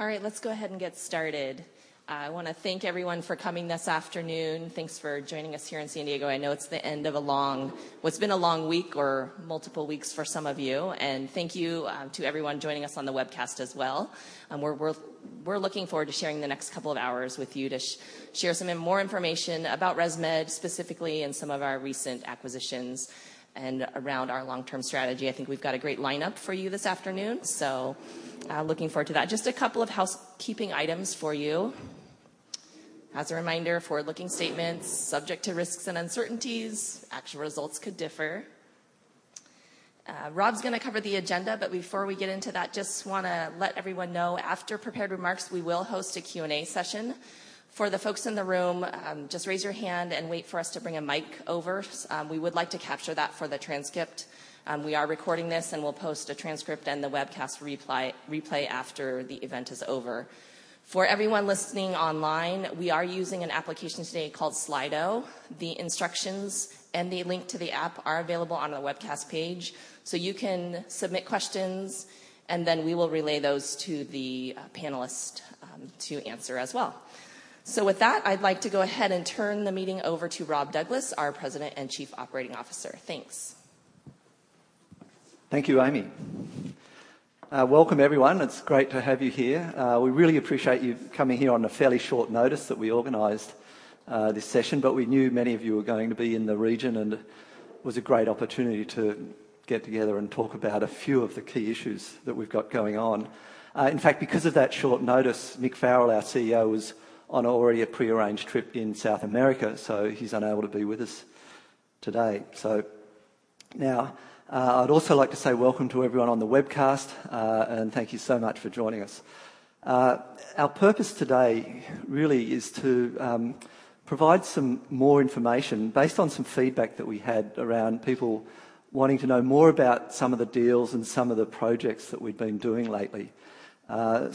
All right, let's go ahead and get started. I want to thank everyone for coming this afternoon. Thanks for joining us here in San Diego. I know it's the end of what's been a long week or multiple weeks for some of you. Thank you to everyone joining us on the webcast as well. We're looking forward to sharing the next couple of hours with you to share some more information about ResMed specifically and some of our recent acquisitions and around our long-term strategy. I think we've got a great lineup for you this afternoon, so looking forward to that. Just a couple of housekeeping items for you. As a reminder, forward-looking statements subject to risks and uncertainties. Actual results could differ. Rob's gonna cover the agenda. Before we get into that, just wanna let everyone know, after prepared remarks, we will host a Q&A session. For the folks in the room, just raise your hand and wait for us to bring a mic over. We would like to capture that for the transcript. We are recording this, and we'll post a transcript and the webcast replay after the event is over. For everyone listening online, we are using an application today called Slido. The instructions and the link to the app are available on the webcast page. You can submit questions, and then we will relay those to the panelists to answer as well. With that, I'd like to go ahead and turn the meeting over to Rob Douglas, our President and Chief Operating Officer. Thanks. Thank you, Amy. Welcome, everyone. It's great to have you here. We really appreciate you coming here on a fairly short notice that we organized this session, but we knew many of you were going to be in the region and was a great opportunity to get together and talk about a few of the key issues that we've got going on. In fact, because of that short notice, Mick Farrell, our CEO, was on already a prearranged trip in South America, so he's unable to be with us today. Now, I'd also like to say welcome to everyone on the webcast. Thank you so much for joining us. Our purpose today really is to provide some more information based on some feedback that we had around people wanting to know more about some of the deals and some of the projects that we've been doing lately. Our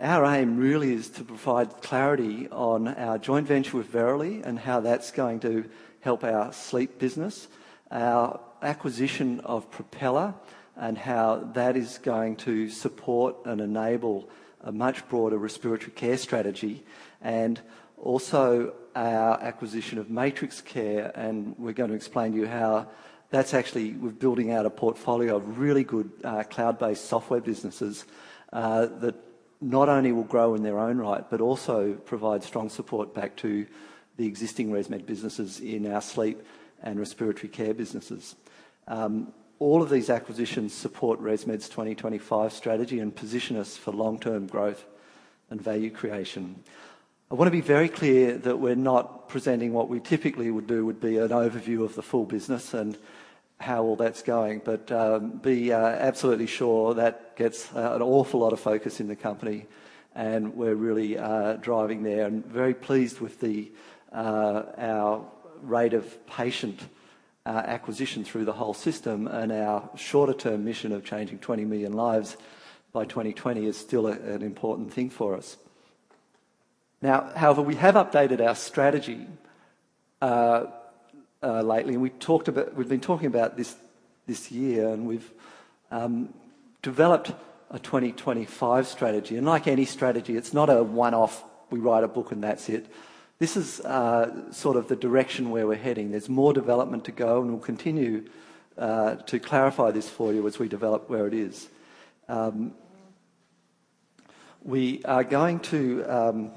aim really is to provide clarity on our joint venture with Verily and how that's going to help our sleep business, our acquisition of Propeller and how that is going to support and enable a much broader respiratory care strategy, and also our acquisition of MatrixCare. We're gonna explain to you how we're building out a portfolio of really good cloud-based software businesses that not only will grow in their own right but also provide strong support back to the existing ResMed businesses in our sleep and respiratory care businesses. All of these acquisitions support ResMed's 2025 strategy and position us for long-term growth and value creation. I want to be very clear that we're not presenting what we typically would do would be an overview of the full business and how all that's going, but be absolutely sure that gets an awful lot of focus in the company, and we're really driving there and very pleased with our rate of patient acquisition through the whole system and our shorter-term mission of changing 20 million lives by 2020 is still an important thing for us. Now, however, we have updated our strategy lately, and we've been talking about this year, and we've developed a 2025 strategy. Like any strategy, it's not a one-off, we write a book, and that's it. This is sort of the direction where we're heading. There's more development to go, and we'll continue to clarify this for you as we develop where it is. We are going to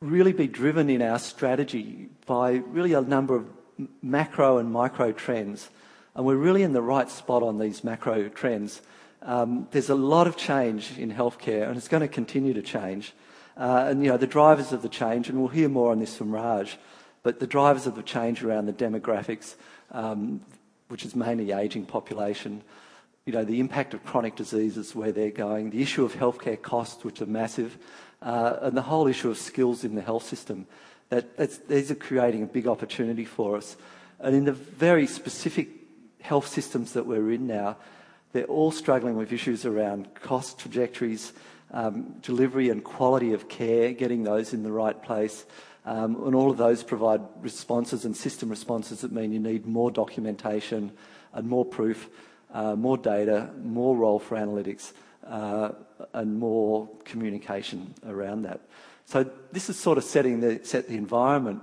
really be driven in our strategy by really a number of macro and micro trends, and we're really in the right spot on these macro trends. There's a lot of change in healthcare, and it's gonna continue to change. You know, the drivers of the change, and we'll hear more on this from Raj, but the drivers of the change around the demographics, which is mainly aging population, you know, the impact of chronic diseases, where they're going, the issue of healthcare costs, which are massive, and the whole issue of skills in the health system, these are creating a big opportunity for us. In the very specific health systems that we're in now, they're all struggling with issues around cost trajectories, delivery and quality of care, getting those in the right place. All of those provide responses and system responses that mean you need more documentation and more proof, more data, more role for analytics, and more communication around that. This is sort of setting the environment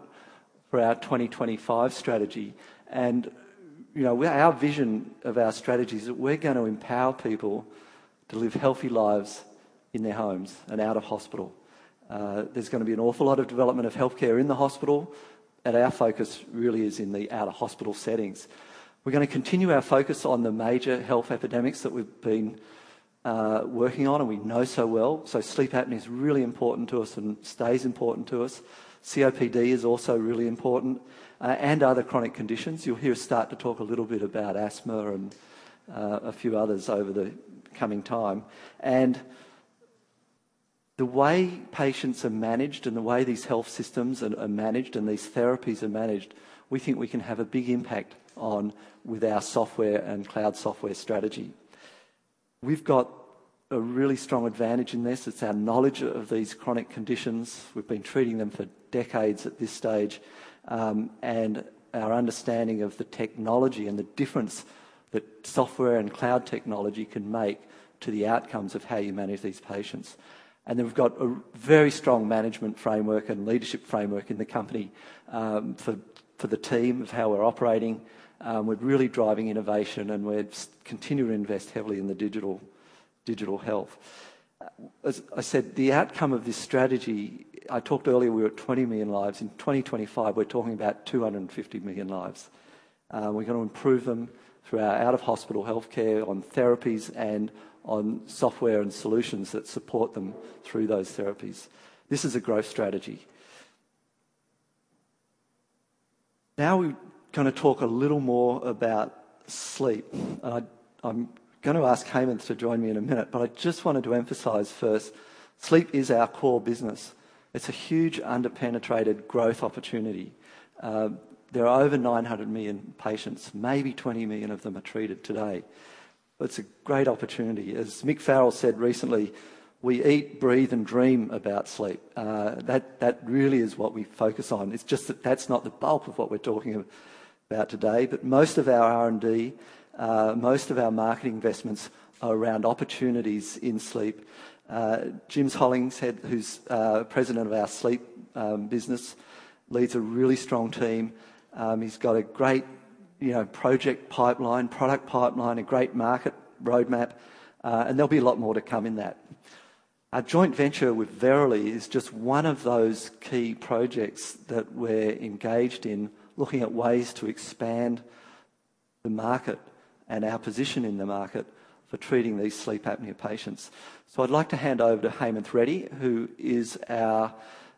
for our 2025 strategy. You know, our vision of our strategy is that we're gonna empower people to live healthy lives in their homes and out of hospital. There's gonna be an awful lot of development of healthcare in the hospital, but our focus really is in the out-of-hospital settings. We're gonna continue our focus on the major health epidemics that we've been working on, and we know so well. Sleep apnea is really important to us and stays important to us. COPD is also really important, and other chronic conditions. You'll hear us start to talk a little bit about asthma and a few others over the coming time. The way patients are managed and the way these health systems are managed and these therapies are managed, we think we can have a big impact on with our software and cloud software strategy. We've got a really strong advantage in this. It's our knowledge of these chronic conditions. We've been treating them for decades at this stage. Our understanding of the technology and the difference that software and cloud technology can make to the outcomes of how you manage these patients. Then we've got a very strong management framework and leadership framework in the company, for the team of how we're operating. We're really driving innovation, and we're continuing to invest heavily in the digital health. As I said, the outcome of this strategy. I talked earlier, we were at 20 million lives. In 2025, we're talking about 250 million lives. We're gonna improve them through our out-of-hospital healthcare on therapies and on software and solutions that support them through those therapies. This is a growth strategy. Now, we gonna talk a little more about sleep. I'm gonna ask Hemanth to join me in a minute, but I just wanted to emphasize first, sleep is our core business. It's a huge under-penetrated growth opportunity. There are over 900 million patients, maybe 20 million of them are treated today. It's a great opportunity. As Mick Farrell said recently, we eat, breathe, and dream about sleep. That really is what we focus on. It's just that that's not the bulk of what we're talking about today. Most of our R&D, most of our marketing investments are around opportunities in sleep. James Hollingshead, who's President of our sleep business, leads a really strong team. He's got a great, you know, project pipeline, product pipeline, a great market roadmap, and there'll be a lot more to come in that. Our joint venture with Verily is just one of those key projects that we're engaged in looking at ways to expand the market and our position in the market for treating these sleep apnea patients. I'd like to hand over to Hemanth Reddy, who is our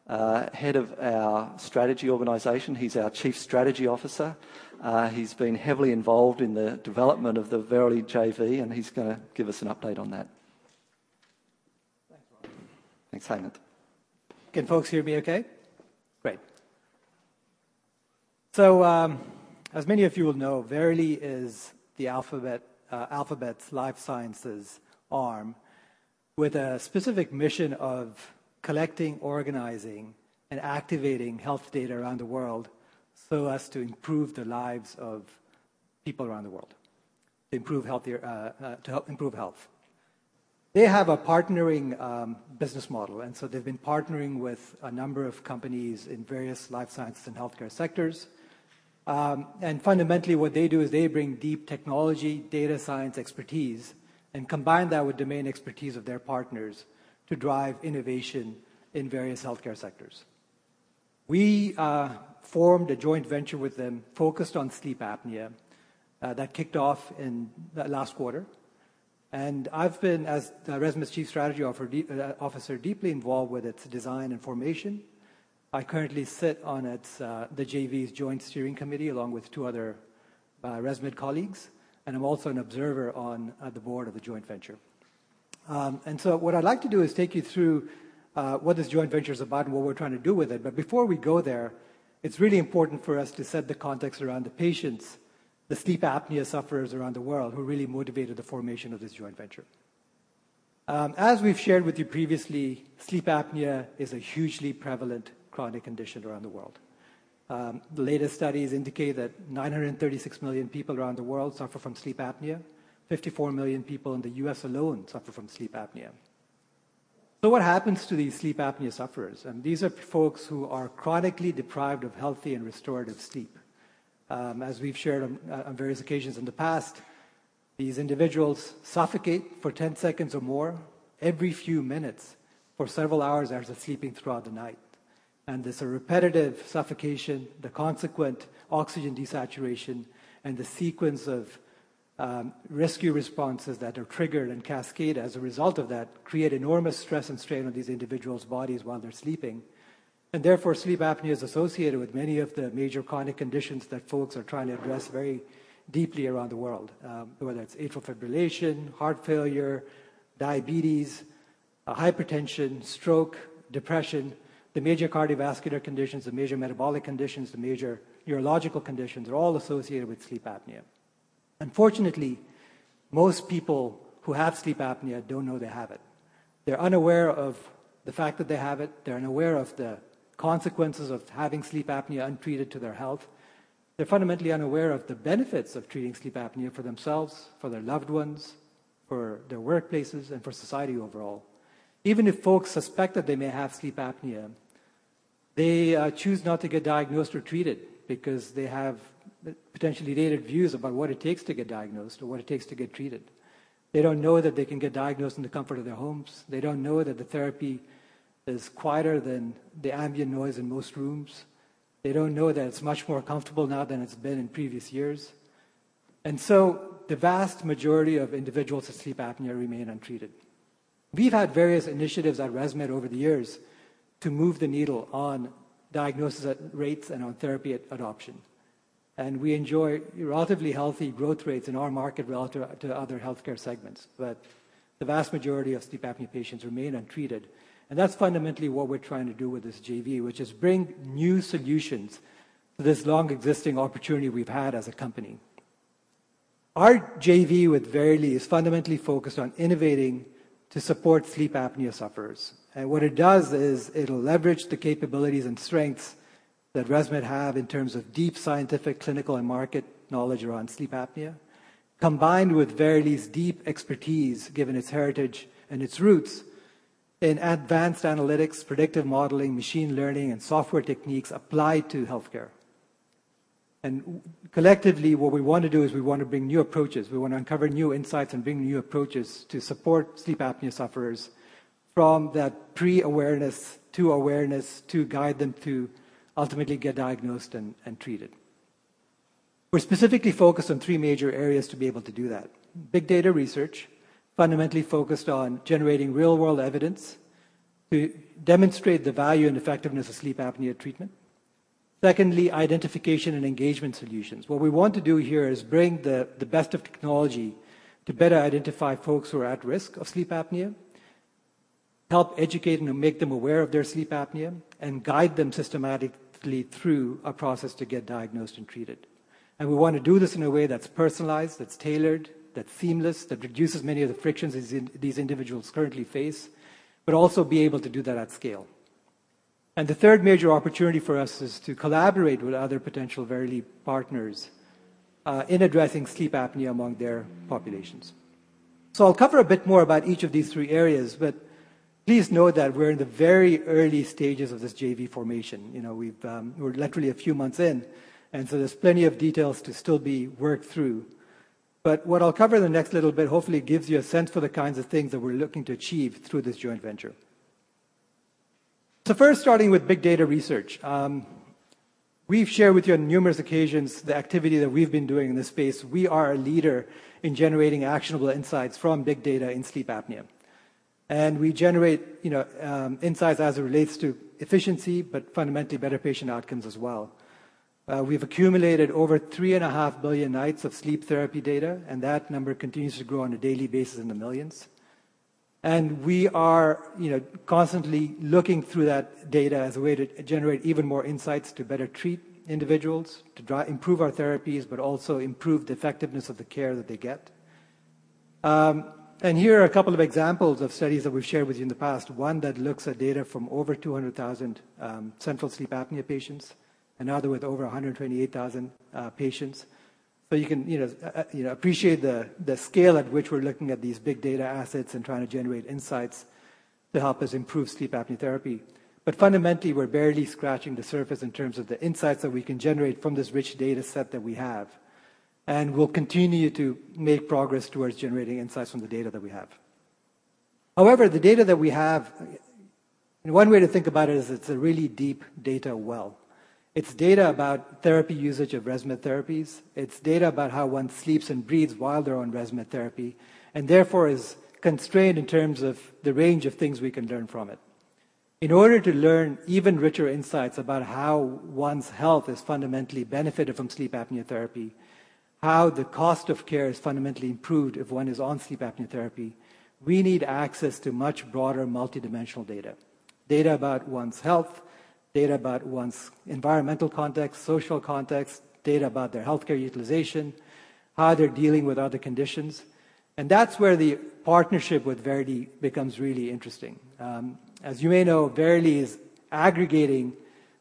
head of our strategy organization. He's our Chief Strategy Officer. He's been heavily involved in the development of the Verily JV, and he's going to give us an update on that. Thanks, Rob. Thanks, Hemanth. Can folks hear me okay? Great. As many of you will know, Verily is the Alphabet's life sciences arm with a specific mission of collecting, organizing, and activating health data around the world so as to improve the lives of people around the world. To help improve health. They have a partnering business model, they've been partnering with a number of companies in various life science and healthcare sectors. Fundamentally what they do is they bring deep technology, data science expertise, and combine that with domain expertise of their partners to drive innovation in various healthcare sectors. We formed a joint venture with them focused on sleep apnea that kicked off in the last quarter. I've been, as ResMed's Chief Strategy Officer, deeply involved with its design and formation. I currently sit on its, the JV's joint steering committee, along with two other, ResMed colleagues, and I'm also an observer on the board of the joint venture. What I'd like to do is take you through what this joint venture is about and what we're trying to do with it. Before we go there, it's really important for us to set the context around the patients, the sleep apnea sufferers around the world who really motivated the formation of this joint venture. As we've shared with you previously, sleep apnea is a hugely prevalent chronic condition around the world. The latest studies indicate that 936 million people around the world suffer from sleep apnea. 54 million people in the U.S. alone suffer from sleep apnea. What happens to these sleep apnea sufferers? These are folks who are chronically deprived of healthy and restorative sleep. As we've shared on various occasions in the past, these individuals suffocate for 10 seconds or more every few minutes for several hours as they're sleeping throughout the night. This repetitive suffocation, the consequent oxygen desaturation, and the sequence of rescue responses that are triggered and cascade as a result of that create enormous stress and strain on these individuals' bodies while they're sleeping. Therefore, sleep apnea is associated with many of the major chronic conditions that folks are trying to address very deeply around the world. Whether that's atrial fibrillation, heart failure, diabetes, hypertension, stroke, depression. The major cardiovascular conditions, the major metabolic conditions, the major neurological conditions are all associated with sleep apnea. Unfortunately, most people who have sleep apnea don't know they have it. They're unaware of the fact that they have it. They're unaware of the consequences of having sleep apnea untreated to their health. They're fundamentally unaware of the benefits of treating sleep apnea for themselves, for their loved ones, for their workplaces, and for society overall. Even if folks suspect that they may have sleep apnea, they choose not to get diagnosed or treated because they have potentially dated views about what it takes to get diagnosed or what it takes to get treated. They don't know that they can get diagnosed in the comfort of their homes. They don't know that the therapy is quieter than the ambient noise in most rooms. They don't know that it's much more comfortable now than it's been in previous years. The vast majority of individuals with sleep apnea remain untreated. We've had various initiatives at ResMed over the years to move the needle on diagnosis at rates and on therapy at adoption. We enjoy relatively healthy growth rates in our market relative to other healthcare segments. The vast majority of sleep apnea patients remain untreated, and that's fundamentally what we're trying to do with this JV, which is bring new solutions to this long existing opportunity we've had as a company. Our JV with Verily is fundamentally focused on innovating to support sleep apnea sufferers. What it does is it'll leverage the capabilities and strengths that ResMed have in terms of deep scientific, clinical, and market knowledge around sleep apnea, combined with Verily's deep expertise, given its heritage and its roots in advanced analytics, predictive modeling, machine learning, and software techniques applied to healthcare. Collectively, what we want to do is we want to bring new approaches. We want to uncover new insights and bring new approaches to support sleep apnea sufferers from that pre-awareness to awareness to guide them to ultimately get diagnosed and treated. We're specifically focused on three major areas to be able to do that. Big data research, fundamentally focused on generating real-world evidence to demonstrate the value and effectiveness of sleep apnea treatment. Secondly, identification and engagement solutions. What we want to do here is bring the best of technology to better identify folks who are at risk of sleep apnea, help educate and make them aware of their sleep apnea, and guide them systematically through a process to get diagnosed and treated. We want to do this in a way that's personalized, that's tailored, that's seamless, that reduces many of the frictions these individuals currently face, but also be able to do that at scale. The third major opportunity for us is to collaborate with other potential Verily partners in addressing sleep apnea among their populations. I'll cover a bit more about each of these three areas, but please note that we're in the very early stages of this JV formation. You know, we've, we're literally a few months in, there's plenty of details to still be worked through. What I'll cover in the next little bit hopefully gives you a sense for the kinds of things that we're looking to achieve through this joint venture. First starting with big data research. We've shared with you on numerous occasions the activity that we've been doing in this space. We are a leader in generating actionable insights from big data in sleep apnea. We generate, you know, insights as it relates to efficiency, but fundamentally better patient outcomes as well. We've accumulated over 3.5 billion nights of sleep therapy data, and that number continues to grow on a daily basis in the millions. We are, you know, constantly looking through that data as a way to generate even more insights to better treat individuals, to improve our therapies, but also improve the effectiveness of the care that they get. Here are a couple of examples of studies that we've shared with you in the past. One that looks at data from over 200,000 central sleep apnea patients. Another with over 128,000 patients. You can, you know, you know, appreciate the scale at which we're looking at these big data assets and trying to generate insights to help us improve sleep apnea therapy. Fundamentally, we're barely scratching the surface in terms of the insights that we can generate from this rich data set that we have. We'll continue to make progress towards generating insights from the data that we have. However, one way to think about it is it's a really deep data well. It's data about therapy usage of ResMed therapies. It's data about how one sleeps and breathes while they're on ResMed therapy, and therefore is constrained in terms of the range of things we can learn from it. In order to learn even richer insights about how one's health is fundamentally benefited from sleep apnea therapy, how the cost of care is fundamentally improved if one is on sleep apnea therapy, we need access to much broader multidimensional data. Data about one's health, data about one's environmental context, social context, data about their healthcare utilization, how they're dealing with other conditions. That's where the partnership with Verily becomes really interesting. As you may know, Verily is aggregating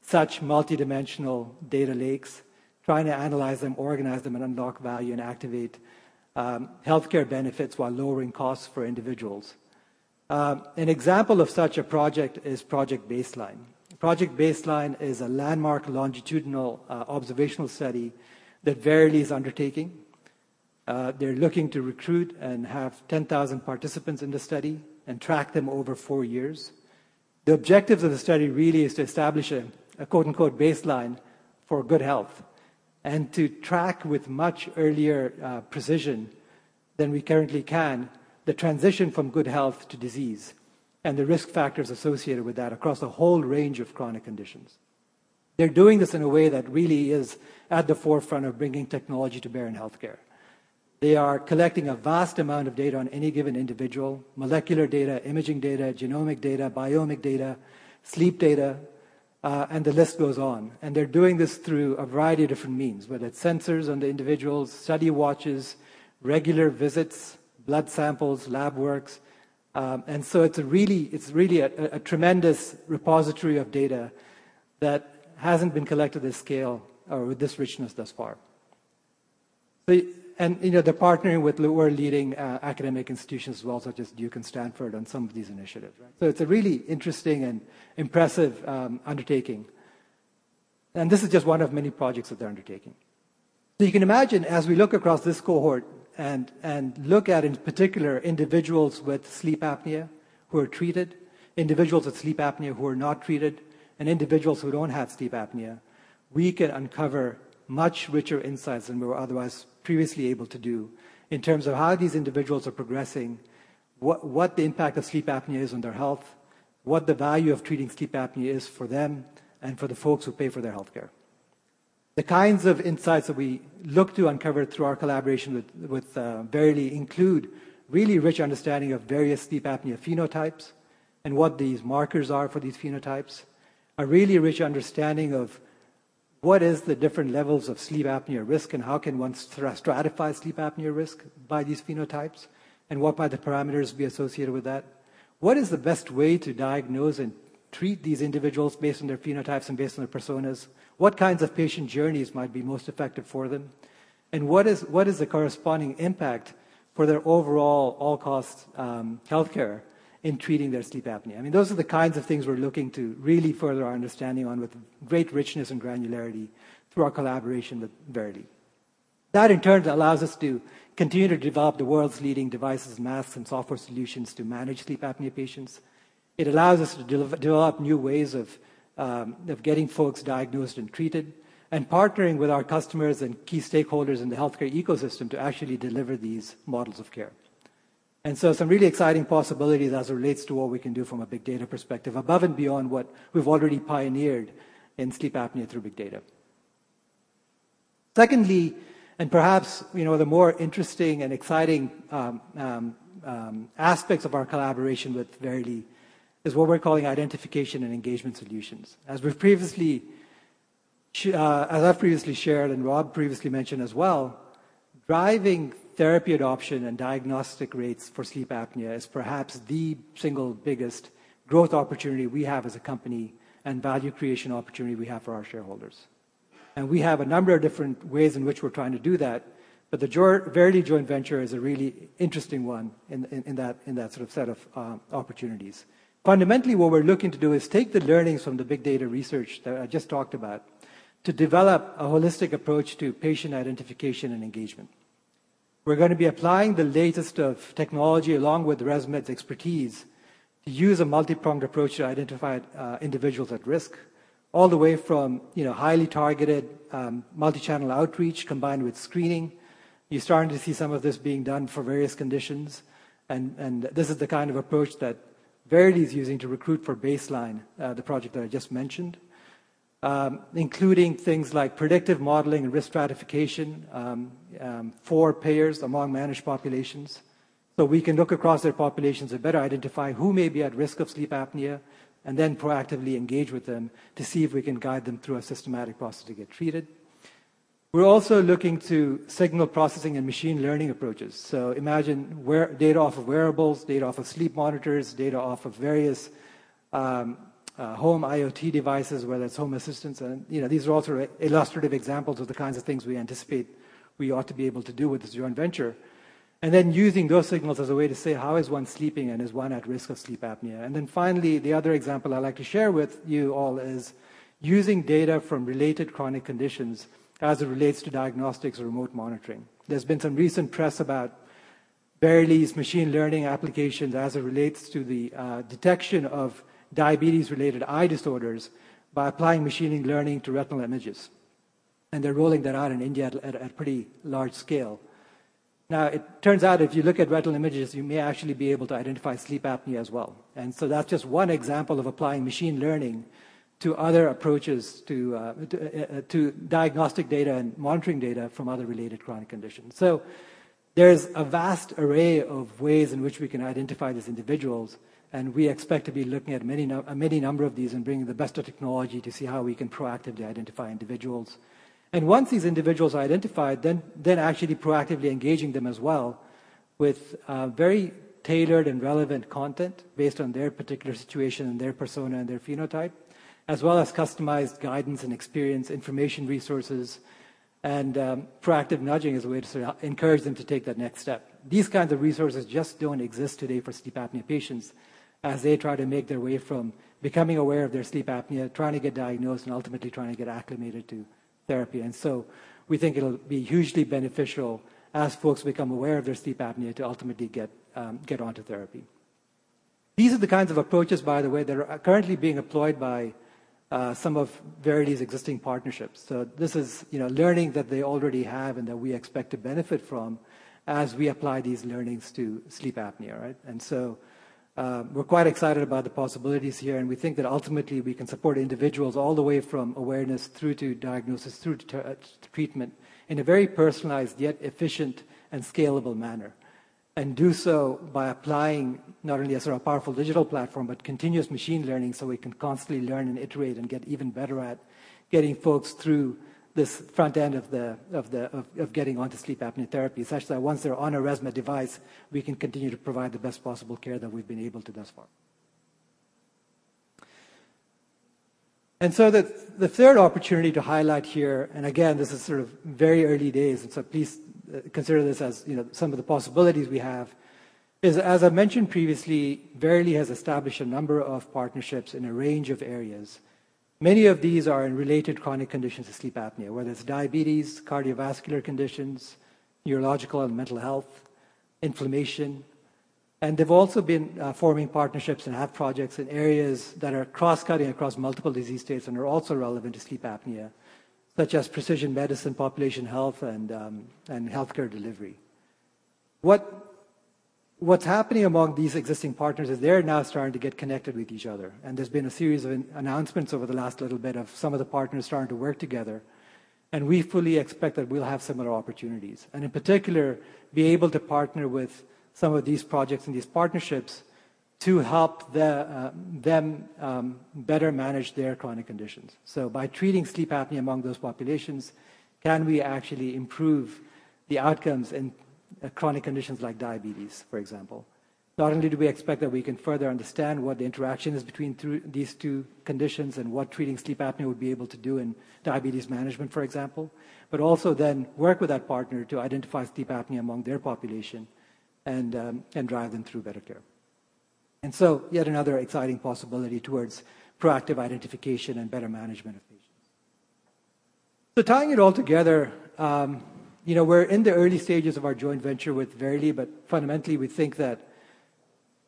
such multidimensional data lakes, trying to analyze them, organize them, and unlock value, and activate healthcare benefits while lowering costs for individuals. An example of such a project is Project Baseline. Project Baseline is a landmark longitudinal observational study that Verily is undertaking. They're looking to recruit and have 10,000 participants in the study and track them over four years. The objective of the study really is to establish a quote-unquote, "baseline" for good health and to track with much earlier precision than we currently can the transition from good health to disease and the risk factors associated with that across a whole range of chronic conditions. They're doing this in a way that really is at the forefront of bringing technology to bear in healthcare. They are collecting a vast amount of data on any given individual: molecular data, imaging data, genomic data, biomic data, sleep data, and the list goes on. They're doing this through a variety of different means, whether it's sensors on the individuals, study watches, regular visits, blood samples, lab works. It's really a tremendous repository of data that hasn't been collected this scale or with this richness thus far. You know, they're partnering with world-leading academic institutions as well, such as Duke and Stanford on some of these initiatives. It's a really interesting and impressive undertaking. This is just one of many projects that they're undertaking. You can imagine as we look across this cohort and look at in particular individuals with sleep apnea who are treated, individuals with sleep apnea who are not treated, and individuals who don't have sleep apnea, we can uncover much richer insights than we were otherwise previously able to do in terms of how these individuals are progressing, what the impact of sleep apnea is on their health, what the value of treating sleep apnea is for them and for the folks who pay for their healthcare. The kinds of insights that we look to uncover through our collaboration with Verily include really rich understanding of various sleep apnea phenotypes and what these markers are for these phenotypes. A really rich understanding of what is the different levels of sleep apnea risk, and how can one stratify sleep apnea risk by these phenotypes? What might the parameters be associated with that? What is the best way to diagnose and treat these individuals based on their phenotypes and based on their personas? What kinds of patient journeys might be most effective for them? What is the corresponding impact for their overall cost healthcare in treating their sleep apnea? I mean, those are the kinds of things we're looking to really further our understanding on with great richness and granularity through our collaboration with Verily. That, in turn, allows us to continue to develop the world's leading devices, masks, and software solutions to manage sleep apnea patients. It allows us to develop new ways of getting folks diagnosed and treated and partnering with our customers and key stakeholders in the healthcare ecosystem to actually deliver these models of care. Some really exciting possibilities as it relates to what we can do from a big data perspective above and beyond what we've already pioneered in sleep apnea through big data. Secondly, and perhaps, you know, the more interesting and exciting aspects of our collaboration with Verily is what we're calling identification and engagement solutions. As we've previously, as I've previously shared and Rob previously mentioned as well, driving therapy adoption and diagnostic rates for sleep apnea is perhaps the single biggest growth opportunity we have as a company and value creation opportunity we have for our shareholders. We have a number of different ways in which we're trying to do that, but the Verily joint venture is a really interesting one in that sort of set of opportunities. Fundamentally, what we're looking to do is take the learnings from the big data research that I just talked about to develop a holistic approach to patient identification and engagement. We're gonna be applying the latest of technology along with ResMed's expertise to use a multipronged approach to identify individuals at risk all the way from, you know, highly targeted, multi-channel outreach combined with screening. You're starting to see some of this being done for various conditions and this is the kind of approach that Verily is using to recruit for Baseline, the project that I just mentioned, including things like predictive modeling and risk stratification for payers among managed populations. We can look across their populations and better identify who may be at risk of sleep apnea and then proactively engage with them to see if we can guide them through a systematic process to get treated. We're also looking to signal processing and machine learning approaches. Imagine data off of wearables, data off of sleep monitors, data off of various home IoT devices, whether it's home assistants and, you know, these are all sort of illustrative examples of the kinds of things we anticipate we ought to be able to do with this joint venture. Using those signals as a way to say, how is one sleeping, and is one at risk of sleep apnea? Finally, the other example I'd like to share with you all is using data from related chronic conditions as it relates to diagnostics or remote monitoring. There's been some recent press about Verily's machine learning application as it relates to the detection of diabetes-related eye disorders by applying machine learning to retinal images, and they're rolling that out in India at a pretty large scale. It turns out if you look at retinal images, you may actually be able to identify sleep apnea as well. That's just one example of applying machine learning to other approaches to diagnostic data and monitoring data from other related chronic conditions. There's a vast array of ways in which we can identify these individuals, and we expect to be looking at many number of these and bringing the best of technology to see how we can proactively identify individuals. Once these individuals are identified, then actually proactively engaging them as well with very tailored and relevant content based on their particular situation and their persona and their phenotype, as well as customized guidance and experience, information resources and proactive nudging as a way to sort of encourage them to take that next step. These kinds of resources just don't exist today for sleep apnea patients as they try to make their way from becoming aware of their sleep apnea, trying to get diagnosed, and ultimately trying to get acclimated to therapy. We think it'll be hugely beneficial as folks become aware of their sleep apnea to ultimately get onto therapy. These are the kinds of approaches, by the way, that are currently being employed by some of Verily's existing partnerships. This is, you know, learning that they already have and that we expect to benefit from as we apply these learnings to sleep apnea. We're quite excited about the possibilities here, and we think that ultimately we can support individuals all the way from awareness through to diagnosis through to treatment in a very personalized yet efficient and scalable manner. Do so by applying not only a sort of powerful digital platform but continuous machine learning so we can constantly learn and iterate and get even better at getting folks through this front end of getting onto sleep apnea therapy. Such that once they're on a ResMed device, we can continue to provide the best possible care that we've been able to thus far. The third opportunity to highlight here, and again, this is sort of very early days, and so please consider this as, you know, some of the possibilities we have, is, as I mentioned previously, Verily has established a number of partnerships in a range of areas. Many of these are in related chronic conditions to sleep apnea, whether it's diabetes, cardiovascular conditions, neurological and mental health, inflammation. They've also been forming partnerships and have projects in areas that are cross-cutting across multiple disease states and are also relevant to sleep apnea, such as precision medicine, population health, and healthcare delivery. What's happening among these existing partners is they're now starting to get connected with each other, and there's been a series of announcements over the last little bit of some of the partners starting to work together. We fully expect that we'll have similar opportunities, and in particular, be able to partner with some of these projects and these partnerships to help them better manage their chronic conditions. By treating sleep apnea among those populations, can we actually improve the outcomes in chronic conditions like diabetes, for example? Not only do we expect that we can further understand what the interaction is between these two conditions and what treating sleep apnea would be able to do in diabetes management, for example, but also then work with that partner to identify sleep apnea among their population and drive them through better care. Yet another exciting possibility towards proactive identification and better management of patients. Tying it all together, you know, we're in the early stages of our joint venture with Verily, but fundamentally we think that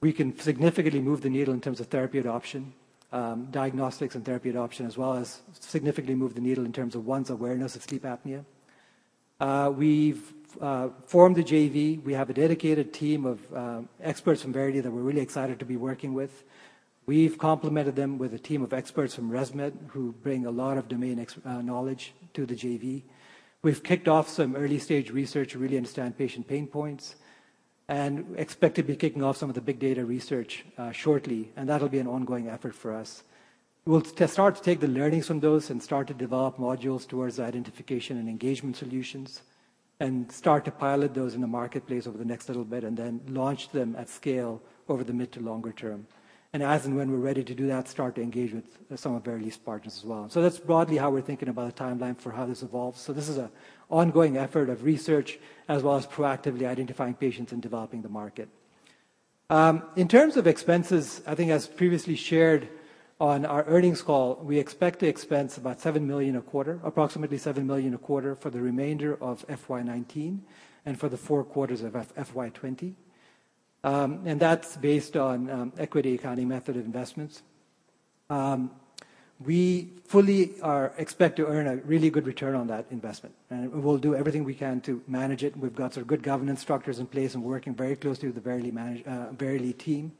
we can significantly move the needle in terms of therapy adoption, diagnostics and therapy adoption, as well as significantly move the needle in terms of one's awareness of sleep apnea. We've formed a JV. We have a dedicated team of experts from Verily that we're really excited to be working with. We've complemented them with a team of experts from ResMed who bring a lot of domain knowledge to the JV. We've kicked off some early-stage research to really understand patient pain points and expect to be kicking off some of the big data research shortly, and that'll be an ongoing effort for us. We'll start to take the learnings from those and start to develop modules towards the identification and engagement solutions and start to pilot those in the marketplace over the next little bit and then launch them at scale over the mid to longer term. As and when we're ready to do that, start to engage with some of Verily's partners as well. That's broadly how we're thinking about the timeline for how this evolves. This is a ongoing effort of research as well as proactively identifying patients and developing the market. In terms of expenses, I think as previously shared on our earnings call, we expect to expense about $7 million a quarter, approximately $7 million a quarter for the remainder of FY 2019 and for the four quarters of FY 2020. That's based on equity accounting method of investments. We fully expect to earn a really good return on that investment, and we'll do everything we can to manage it. We've got sort of good governance structures in place and working very closely with the Verily team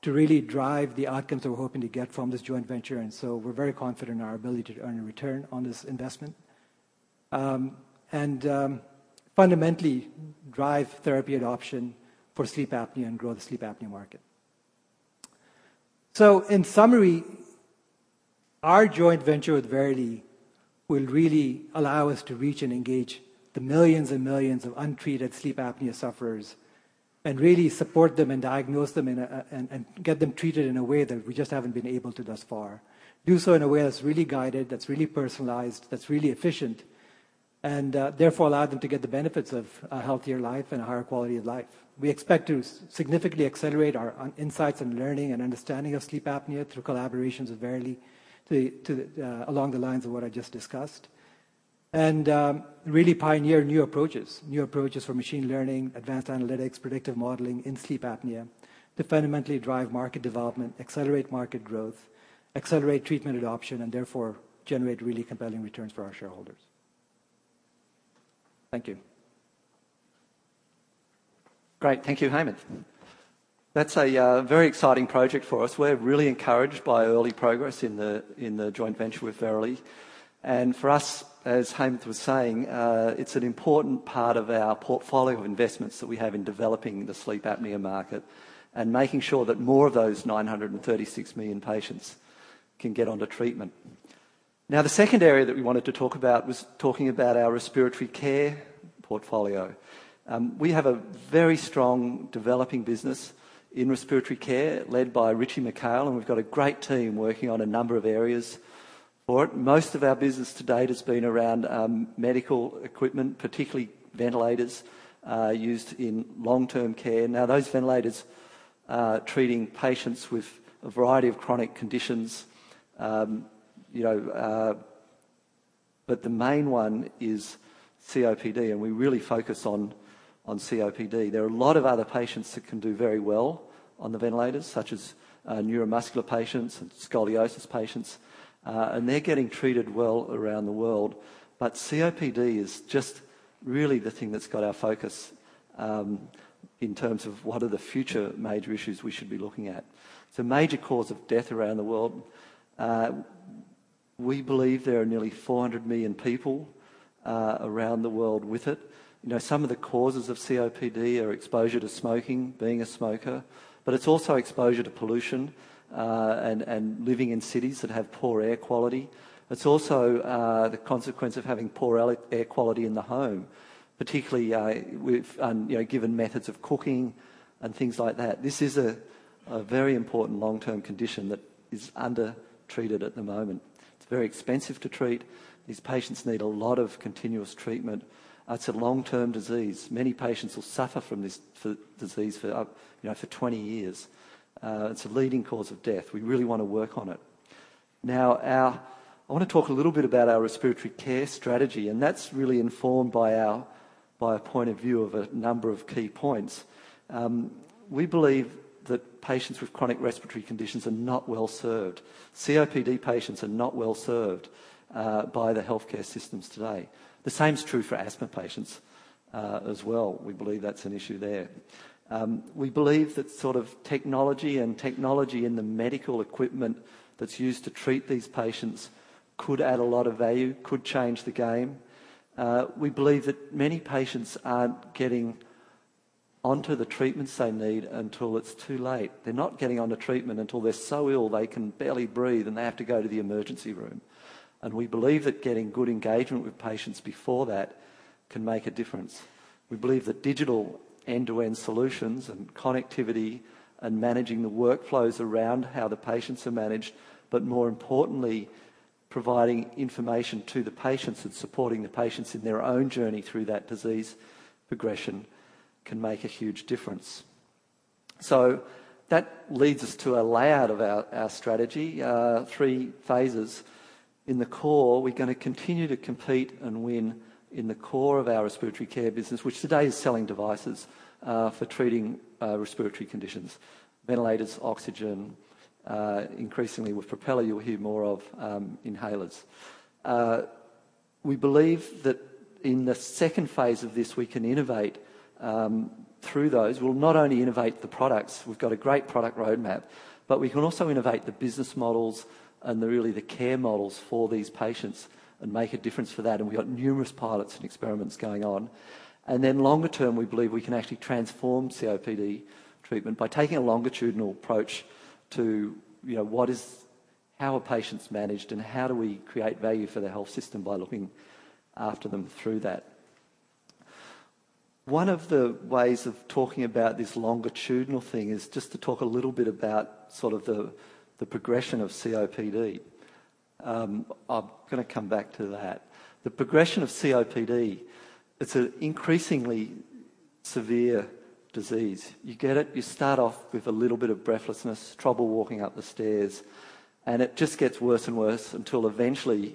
to really drive the outcomes that we're hoping to get from this joint venture. We're very confident in our ability to earn a return on this investment and fundamentally drive therapy adoption for sleep apnea and grow the sleep apnea market. In summary, our joint venture with Verily will really allow us to reach and engage the millions and millions of untreated sleep apnea sufferers and really support them and diagnose them and get them treated in a way that we just haven't been able to thus far. Do so in a way that's really guided, that's really personalized, that's really efficient, and therefore allow them to get the benefits of a healthier life and a higher quality of life. We expect to significantly accelerate our insights and learning and understanding of sleep apnea through collaborations with Verily to along the lines of what I just discussed. Really pioneer new approaches for machine learning, advanced analytics, predictive modeling in sleep apnea to fundamentally drive market development, accelerate market growth, accelerate treatment adoption, and therefore generate really compelling returns for our shareholders. Thank you. Great. Thank you, Hemanth. That's a very exciting project for us. We're really encouraged by early progress in the joint venture with Verily. For us, as Hemanth was saying, it's an important part of our portfolio of investments that we have in developing the sleep apnea market and making sure that more of those 936 million patients can get onto treatment. The second area that we wanted to talk about was talking about our respiratory care portfolio. We have a very strong developing business in respiratory care led by Richie McHale, and we've got a great team working on a number of areas for it. Most of our business to date has been around medical equipment, particularly ventilators, used in long-term care. Those ventilators are treating patients with a variety of chronic conditions, you know, but the main one is COPD, and we really focus on COPD. There are a lot of other patients that can do very well on the ventilators, such as neuromuscular patients and scoliosis patients, and they're getting treated well around the world. COPD is just really the thing that's got our focus in terms of what are the future major issues we should be looking at. It's a major cause of death around the world. We believe there are nearly 400 million people around the world with it. You know, some of the causes of COPD are exposure to smoking, being a smoker, but it's also exposure to pollution, and living in cities that have poor air quality. It's also, the consequence of having poor air quality in the home, particularly, you know, given methods of cooking and things like that. This is a very important long-term condition that is undertreated at the moment. It's very expensive to treat. These patients need a lot of continuous treatment. It's a long-term disease. Many patients will suffer from this for disease for, you know, for 20 years. It's a leading cause of death. I wanna talk a little bit about our respiratory care strategy, and that's really informed by a point of view of a number of key points. We believe that patients with chronic respiratory conditions are not well-served. COPD patients are not well-served by the healthcare systems today. The same is true for asthma patients as well. We believe that's an issue there. We believe that sort of technology and technology in the medical equipment that's used to treat these patients could add a lot of value, could change the game. We believe that many patients aren't getting onto the treatments they need until it's too late. They're not getting onto treatment until they're so ill they can barely breathe, and they have to go to the emergency room. We believe that getting good engagement with patients before that can make a difference. We believe that digital end-to-end solutions and connectivity and managing the workflows around how the patients are managed, but more importantly, providing information to the patients and supporting the patients in their own journey through that disease progression can make a huge difference. That leads us to a layout of our strategy, three phases. In the core, we're gonna continue to compete and win in the core of our respiratory care business, which today is selling devices for treating respiratory conditions, ventilators, oxygen. Increasingly with Propeller, you'll hear more of inhalers. We believe that in the second phase of this, we can innovate through those. We'll not only innovate the products, we've got a great product roadmap, but we can also innovate the business models and the really care models for these patients and make a difference for that, and we've got numerous pilots and experiments going on. Then longer term, we believe we can actually transform COPD treatment by taking a longitudinal approach to, you know, how are patients managed, and how do we create value for the health system by looking after them through that? One of the ways of talking about this longitudinal thing is just to talk a little bit about sort of the progression of COPD. I'm gonna come back to that. The progression of COPD, it's an increasingly severe disease. You get it, you start off with a little bit of breathlessness, trouble walking up the stairs, and it just gets worse and worse until eventually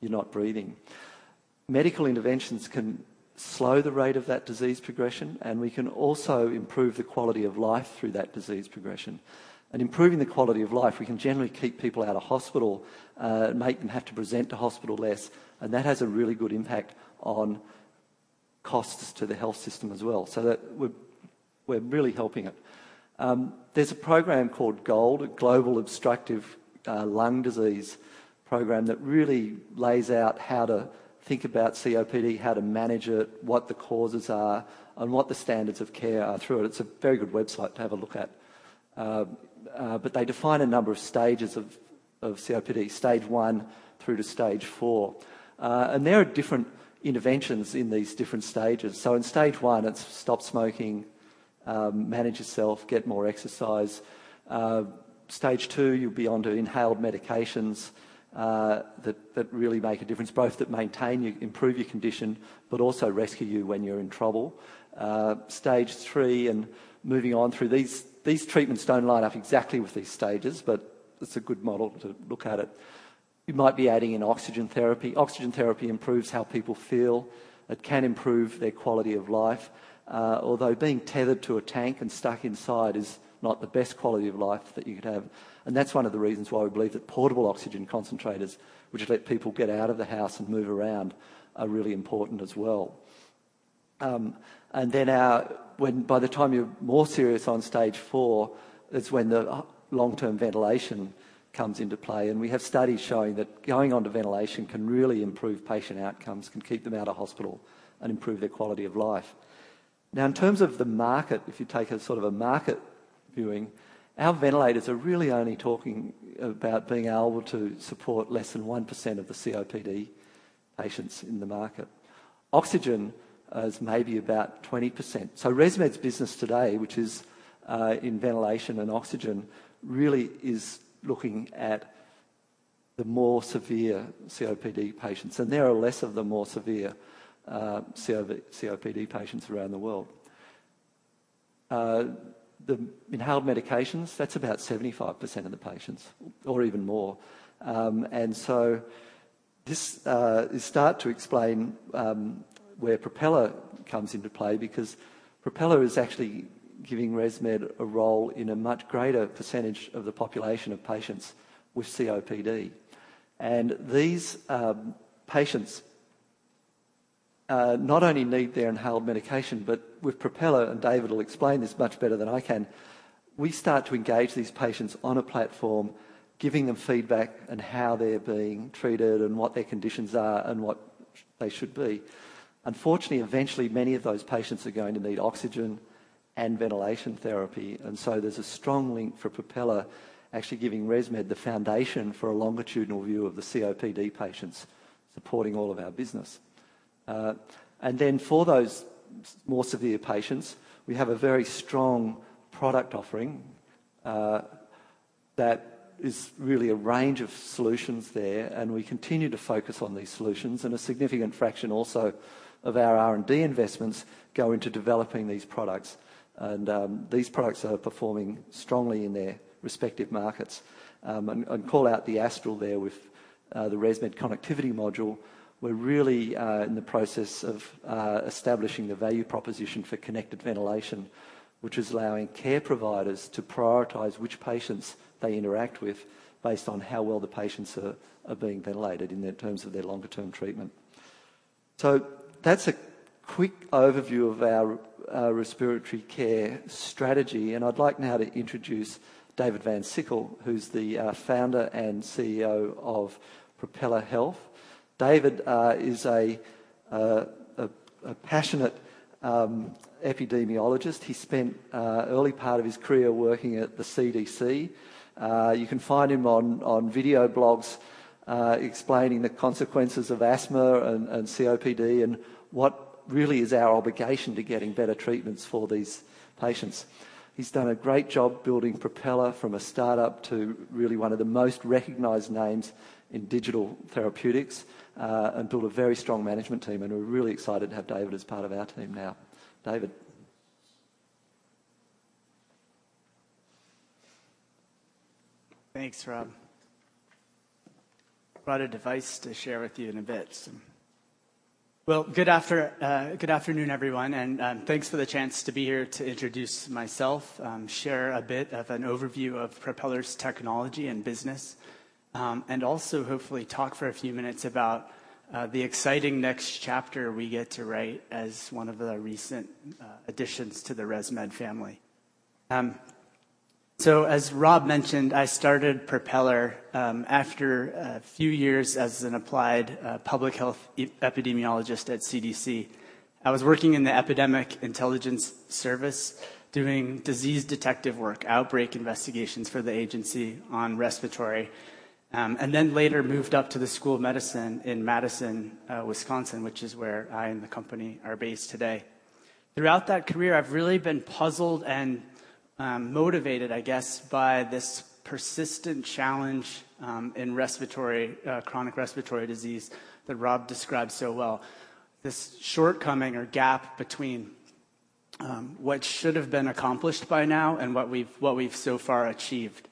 you're not breathing. Medical interventions can slow the rate of that disease progression, and we can also improve the quality of life through that disease progression. Improving the quality of life, we can generally keep people out of hospital, make them have to present to hospital less, and that has a really good impact on costs to the health system as well, so that we're really helping it. There's a program called GOLD, Global Obstructive Lung Disease program that really lays out how to think about COPD, how to manage it, what the causes are, and what the standards of care are through it. It's a very good website to have a look at. They define a number of stages of COPD, Stage 1 through to Stage 4. And there are different interventions in these different stages. So in Stage 1, it's stop smoking, manage yourself, get more exercise. Stage 2, you'll be onto inhaled medications that really make a difference, both that maintain you, improve your condition, but also rescue you when you're in trouble. Stage 3 and moving on through these treatments don't line up exactly with these stages, but it's a good model to look at it. You might be adding in oxygen therapy. Oxygen therapy improves how people feel. It can improve their quality of life, although being tethered to a tank and stuck inside is not the best quality of life that you could have, and that's one of the reasons why we believe that portable oxygen concentrators, which let people get out of the house and move around, are really important as well. By the time you're more serious on Stage 4 is when the long-term ventilation comes into play, and we have studies showing that going onto ventilation can really improve patient outcomes, can keep them out of hospital and improve their quality of life. In terms of the market, if you take a sort of a market viewing, our ventilators are really only talking about being able to support less than 1% of the COPD patients in the market. Oxygen is maybe about 20%. ResMed's business today, which is in ventilation and oxygen, really is looking at the more severe COPD patients, and there are less of the more severe COPD patients around the world. The inhaled medications, that's about 75% of the patients or even more. This start to explain where Propeller comes into play because Propeller is actually giving ResMed a role in a much greater percentage of the population of patients with COPD. These patients not only need their inhaled medication, but with Propeller, and David will explain this much better than I can, we start to engage these patients on a platform, giving them feedback on how they're being treated and what their conditions are and what they should be. Unfortunately, eventually, many of those patients are going to need oxygen and ventilation therapy. There's a strong link for Propeller actually giving ResMed the foundation for a longitudinal view of the COPD patients supporting all of our business. For those more severe patients, we have a very strong product offering that is really a range of solutions there, and we continue to focus on these solutions, and a significant fraction also of our R&D investments go into developing these products. These products are performing strongly in their respective markets. Call out the Astral there with the ResMed Connectivity Module. We're really in the process of establishing the value proposition for connected ventilation, which is allowing care providers to prioritize which patients they interact with based on how well the patients are being ventilated in their terms of their longer-term treatment. That's a quick overview of our respiratory care strategy, and I'd like now to introduce David Van Sickle, who's the founder and CEO of Propeller Health. David is a passionate epidemiologist. He spent early part of his career working at the CDC. You can find him on video blogs explaining the consequences of asthma and COPD and what really is our obligation to getting better treatments for these patients. He's done a great job building Propeller from a startup to really one of the most recognized names in digital therapeutics, and built a very strong management team, and we're really excited to have David as part of our team now. David. Thanks, Rob. Brought a device to share with you in a bit. Good afternoon, everyone, and thanks for the chance to be here to introduce myself, share a bit of an overview of Propeller's technology and business, and also hopefully talk for a few minutes about the exciting next chapter we get to write as one of the recent additions to the ResMed family. As Rob mentioned, I started Propeller after a few years as an applied public health epidemiologist at CDC. I was working in the Epidemic Intelligence Service doing disease detective work, outbreak investigations for the agency on respiratory, later moved up to the School of Medicine in Madison, Wisconsin, which is where I and the company are based today. Throughout that career, I've really been puzzled and motivated, I guess, by this persistent challenge in chronic respiratory disease that Rob described so well. This shortcoming or gap between what should have been accomplished by now and what we've so far achieved.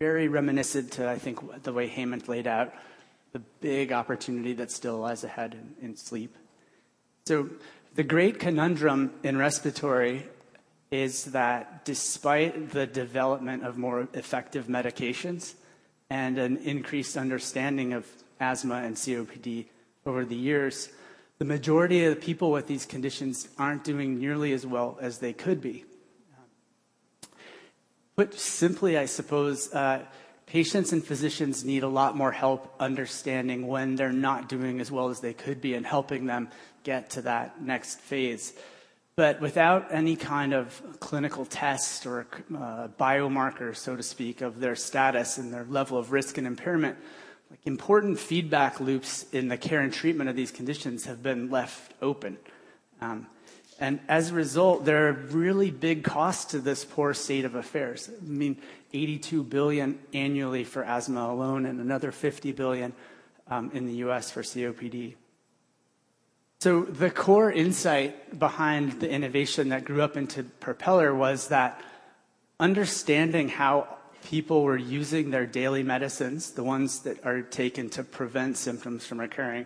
Very reminiscent to, I think, the way Hemanth Reddy laid out the big opportunity that still lies ahead in sleep. The great conundrum in respiratory is that despite the development of more effective medications and an increased understanding of asthma and COPD over the years, the majority of the people with these conditions aren't doing nearly as well as they could be. Put simply, I suppose, patients and physicians need a lot more help understanding when they're not doing as well as they could be and helping them get to that next phase. Without any kind of clinical test or a biomarker, so to speak, of their status and their level of risk and impairment, like important feedback loops in the care and treatment of these conditions have been left open. As a result, there are really big costs to this poor state of affairs. I mean, $82 billion annually for asthma alone and another $50 billion in the U.S. for COPD. The core insight behind the innovation that grew up into Propeller was that understanding how people were using their daily medicines, the ones that are taken to prevent symptoms from occurring,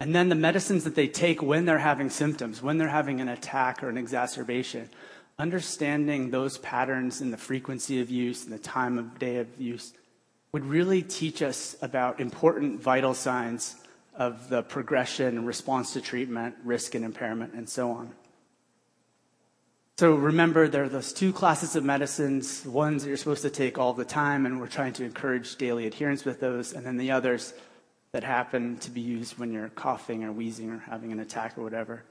and then the medicines that they take when they're having symptoms, when they're having an attack or an exacerbation, understanding those patterns and the frequency of use and the time of day of use would really teach us about important vital signs of the progression, response to treatment, risk and impairment, and so on. Remember, there are those two classes of medicines, the ones that you're supposed to take all the time, and we're trying to encourage daily adherence with those, and then the others that happen to be used when you're coughing or wheezing or having an attack or whatever.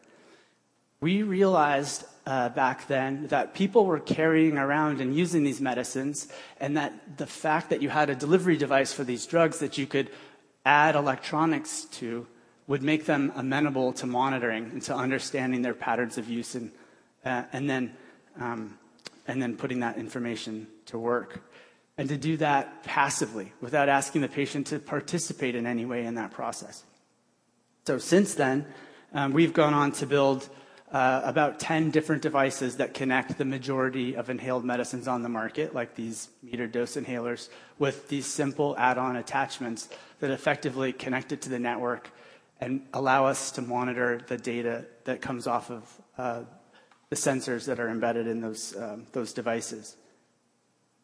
We realized, back then that people were carrying around and using these medicines and that the fact that you had a delivery device for these drugs that you could add electronics to would make them amenable to monitoring and to understanding their patterns of use and then, and then putting that information to work. To do that passively without asking the patient to participate in any way in that process. Since then, we've gone on to build, about 10 different devices that connect the majority of inhaled medicines on the market, like these metered-dose inhalers, with these simple add-on attachments that effectively connect it to the network and allow us to monitor the data that comes off of, the sensors that are embedded in those devices.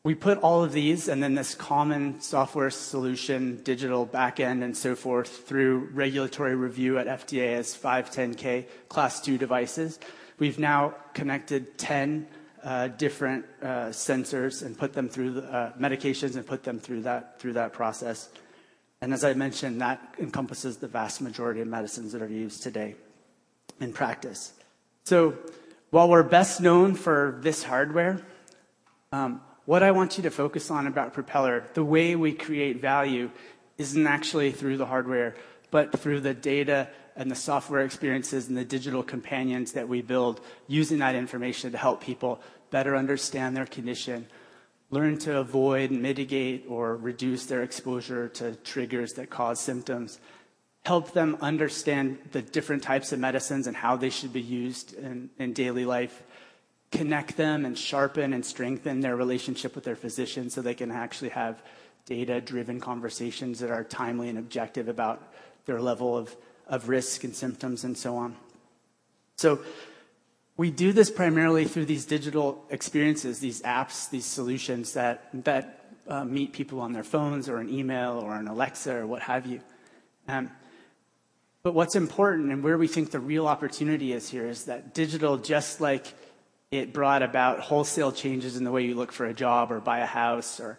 We put all of these then this common software solution, digital back end, and so forth through regulatory review at FDA as 510(k) class II devices. We've now connected 10 different sensors and put them through medications and put them through that process. As I mentioned, that encompasses the vast majority of medicines that are used today and practice. While we're best known for this hardware, what I want you to focus on about Propeller, the way we create value isn't actually through the hardware, but through the data and the software experiences and the digital companions that we build using that information to help people better understand their condition, learn to avoid, mitigate, or reduce their exposure to triggers that cause symptoms, help them understand the different types of medicines and how they should be used in daily life, connect them and sharpen and strengthen their relationship with their physician so they can actually have data-driven conversations that are timely and objective about their level of risk and symptoms, and so on. We do this primarily through these digital experiences, these apps, these solutions that meet people on their phones or an email or an Alexa or what have you. What's important and where we think the real opportunity is here is that digital, just like it brought about wholesale changes in the way you look for a job or buy a house or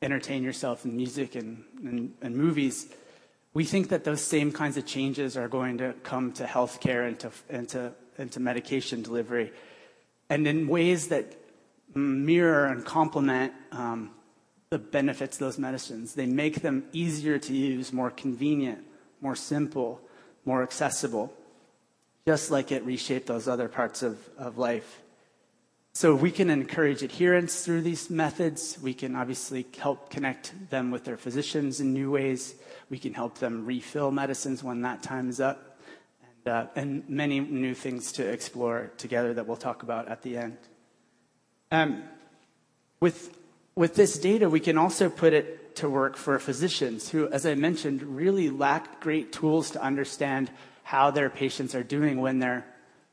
entertain yourself in music and, and movies, we think that those same kinds of changes are going to come to healthcare and to medication delivery, and in ways that mirror and complement the benefits of those medicines. They make them easier to use, more convenient, more simple, more accessible, just like it reshaped those other parts of life. We can encourage adherence through these methods. We can obviously help connect them with their physicians in new ways. We can help them refill medicines when that time's up, and many new things to explore together that we'll talk about at the end. With this data, we can also put it to work for physicians who, as I mentioned, really lack great tools to understand how their patients are doing when they're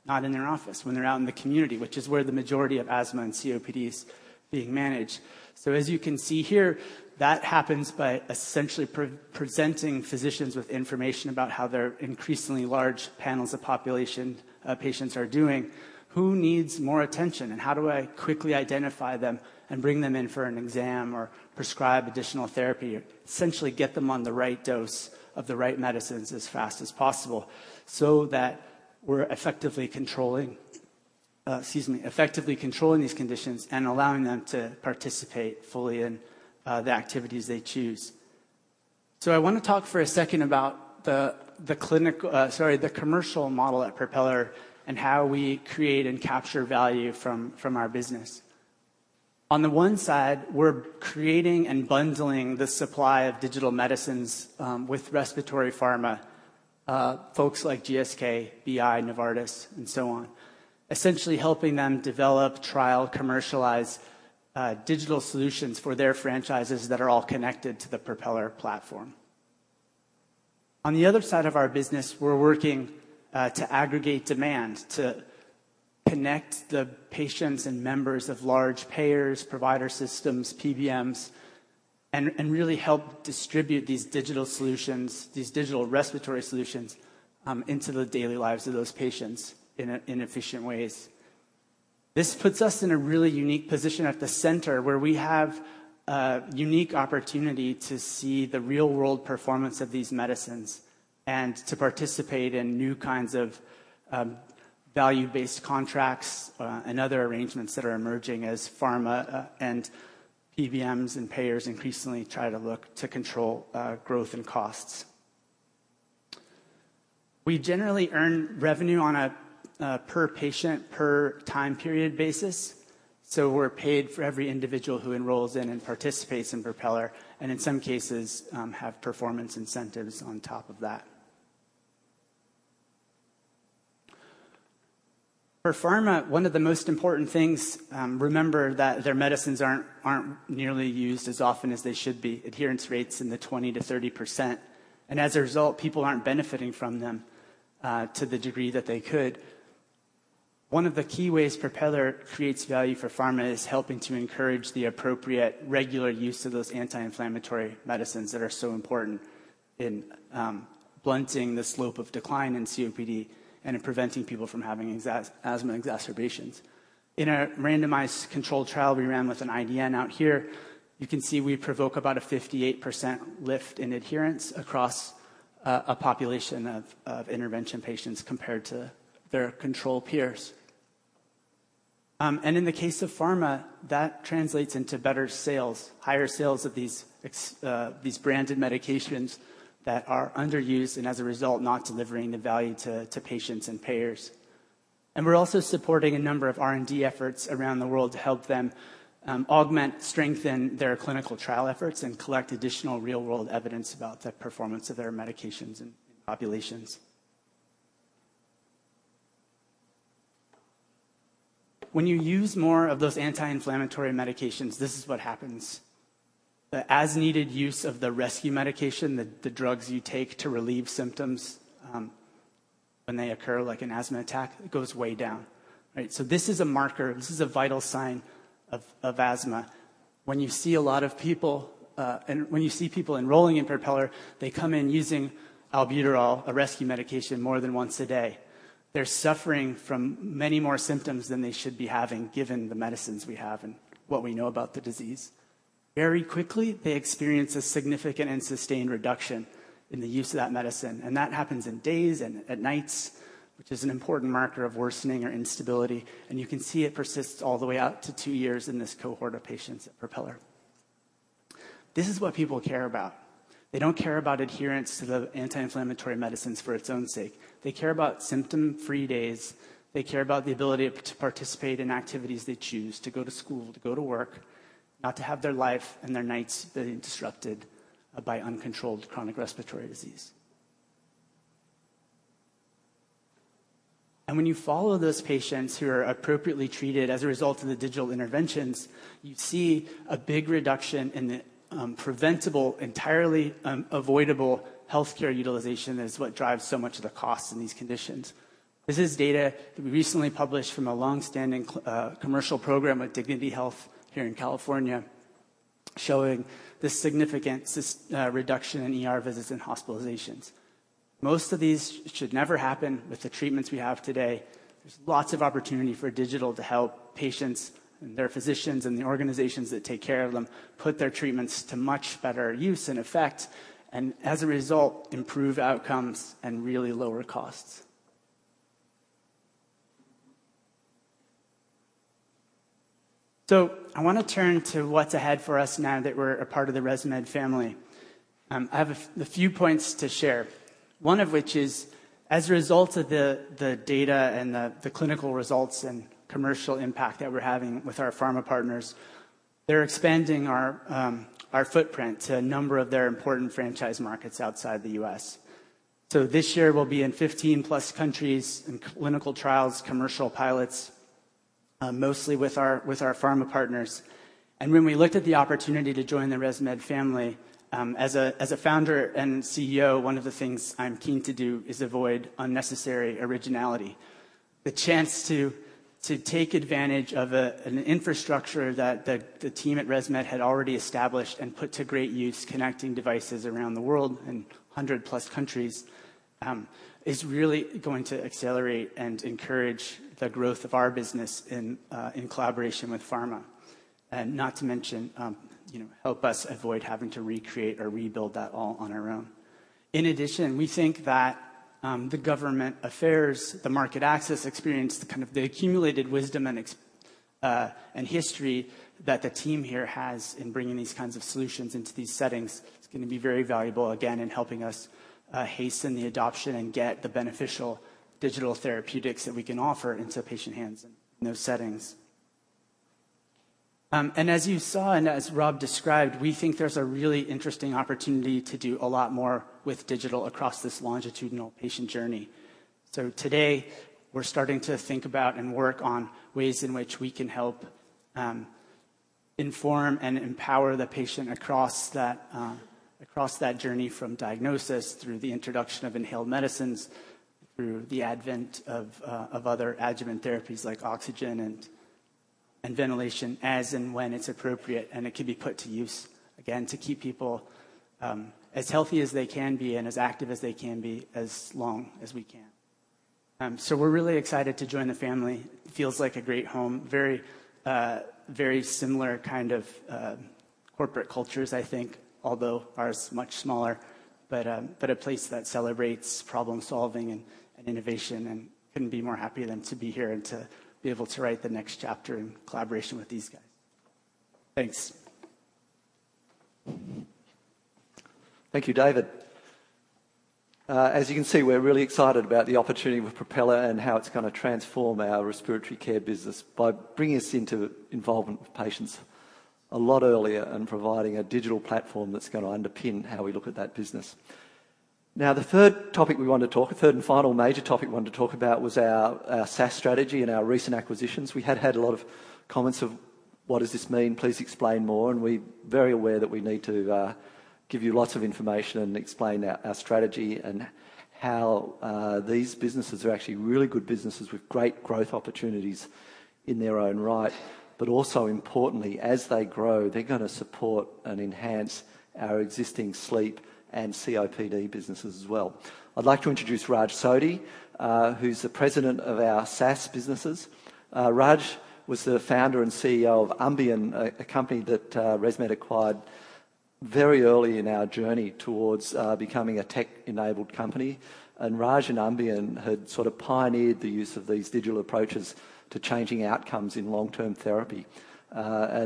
not in their office, when they're out in the community, which is where the majority of asthma and COPD is being managed. As you can see here, that happens by essentially pre-presenting physicians with information about how their increasingly large panels of population patients are doing. Who needs more attention, and how do I quickly identify them and bring them in for an exam or prescribe additional therapy, essentially get them on the right dose of the right medicines as fast as possible so that we're effectively controlling, excuse me, effectively controlling these conditions and allowing them to participate fully in the activities they choose. I want to talk for a second about the commercial model at Propeller and how we create and capture value from our business. On the one side, we're creating and bundling the supply of digital medicines with respiratory pharma folks like GSK, BI, Novartis, and so on, essentially helping them develop, trial, commercialize digital solutions for their franchises that are all connected to the Propeller platform. On the other side of our business, we're working to aggregate demand to connect the patients and members of large payers, provider systems, PBMs, and really help distribute these digital solutions, these digital respiratory solutions into the daily lives of those patients in efficient ways. This puts us in a really unique position at the center where we have a unique opportunity to see the real-world performance of these medicines and to participate in new kinds of value-based contracts and other arrangements that are emerging as pharma and PBMs and payers increasingly try to look to control growth and costs. We generally earn revenue on a per patient, per time period basis, so we're paid for every individual who enrolls in and participates in Propeller, and in some cases, have performance incentives on top of that. For pharma, one of the most important things, remember that their medicines aren't nearly used as often as they should be, adherence rates in the 20%-30%, and as a result, people aren't benefiting from them to the degree that they could. One of the key ways Propeller creates value for pharma is helping to encourage the appropriate regular use of those anti-inflammatory medicines that are so important in blunting the slope of decline in COPD and in preventing people from having asthma exacerbations. In a randomized controlled trial we ran with an IDN out here, you can see we provoke about a 58% lift in adherence across a population of intervention patients compared to their control peers. In the case of pharma, that translates into better sales, higher sales of these branded medications that are underused and as a result, not delivering the value to patients and payers. We're also supporting a number of R&D efforts around the world to help them augment, strengthen their clinical trial efforts, and collect additional real-world evidence about the performance of their medications in populations. When you use more of those anti-inflammatory medications, this is what happens. The as-needed use of the rescue medication, the drugs you take to relieve symptoms, when they occur like an asthma attack, it goes way down. Right. This is a marker. This is a vital sign of asthma. When you see a lot of people, and when you see people enrolling in Propeller, they come in using albuterol, a rescue medication, more than once a day. They're suffering from many more symptoms than they should be having given the medicines we have and what we know about the disease. Very quickly, they experience a significant and sustained reduction in the use of that medicine. That happens in days and at nights, which is an important marker of worsening or instability. You can see it persists all the way out to two years in this cohort of patients at Propeller. This is what people care about. They don't care about adherence to the anti-inflammatory medicines for its own sake. They care about symptom-free days. They care about the ability to participate in activities they choose, to go to school, to go to work, not to have their life and their nights being disrupted by uncontrolled chronic respiratory disease. When you follow those patients who are appropriately treated as a result of the digital interventions, you see a big reduction in the preventable, entirely avoidable healthcare utilization is what drives so much of the cost in these conditions. This is data that we recently published from a longstanding commercial program at Dignity Health here in California showing the significant reduction in ER visits and hospitalizations. Most of these should never happen with the treatments we have today. There's lots of opportunity for digital to help patients and their physicians and the organizations that take care of them put their treatments to much better use and effect, and as a result, improve outcomes and really lower costs. I wanna turn to what's ahead for us now that we're a part of the ResMed family. I have a few points to share. One of which is, as a result of the data and the clinical results and commercial impact that we're having with our pharma partners, they're expanding our footprint to a number of their important franchise markets outside the U.S. This year we'll be in 15+ countries in clinical trials, commercial pilots, mostly with our pharma partners. When we looked at the opportunity to join the ResMed family, as a founder and CEO, one of the things I'm keen to do is avoid unnecessary originality. The chance to take advantage of an infrastructure that the team at ResMed had already established and put to great use connecting devices around the world in 100+ countries is really going to accelerate and encourage the growth of our business in collaboration with pharma. Not to mention, you know, help us avoid having to recreate or rebuild that all on our own. In addition, we think that the government affairs, the market access experience, the kind of the accumulated wisdom and history that the team here has in bringing these kinds of solutions into these settings is gonna be very valuable, again, in helping us hasten the adoption and get the beneficial digital therapeutics that we can offer into patient hands in those settings. As you saw and as Rob described, we think there's a really interesting opportunity to do a lot more with digital across this longitudinal patient journey. Today, we're starting to think about and work on ways in which we can help inform and empower the patient across that across that journey from diagnosis through the introduction of inhaled medicines, through the advent of other adjuvant therapies like oxygen and ventilation as and when it's appropriate, and it can be put to use, again, to keep people as healthy as they can be and as active as they can be as long as we can. We're really excited to join the family. Feels like a great home. Very, very similar kind of corporate cultures, I think, although ours is much smaller. A place that celebrates problem-solving and innovation and couldn't be more happier than to be here and to be able to write the next chapter in collaboration with these guys. Thanks. Thank you, David. As you can see, we're really excited about the opportunity with Propeller and how it's gonna transform our respiratory care business by bringing us into involvement with patients a lot earlier and providing a digital platform that's gonna underpin how we look at that business. The third and final major topic we want to talk about was our SaaS strategy and our recent acquisitions. We had a lot of comments of, "What does this mean? Please explain more." We're very aware that we need to give you lots of information and explain our strategy and how these businesses are actually really good businesses with great growth opportunities in their own right. Also importantly, as they grow, they're gonna support and enhance our existing sleep and COPD businesses as well. I'd like to introduce Raj Sodhi, who's the president of our SaaS businesses. Raj was the founder and CEO of Apacheta, a company that ResMed acquired very early in our journey towards becoming a tech-enabled company. Raj and Apacheta had sort of pioneered the use of these digital approaches to changing outcomes in long-term therapy.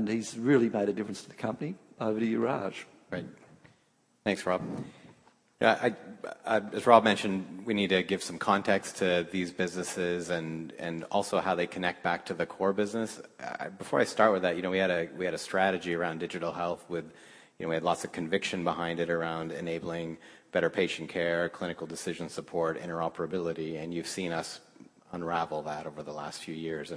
He's really made a difference to the company. Over to you, Raj. Great. Thanks, Rob. Yeah, as Rob mentioned, we need to give some context to these businesses and also how they connect back to the core business. Before I start with that, you know, we had a strategy around digital health with, you know, we had lots of conviction behind it around enabling better patient care, clinical decision support, interoperability, and you've seen us unravel that over the last few years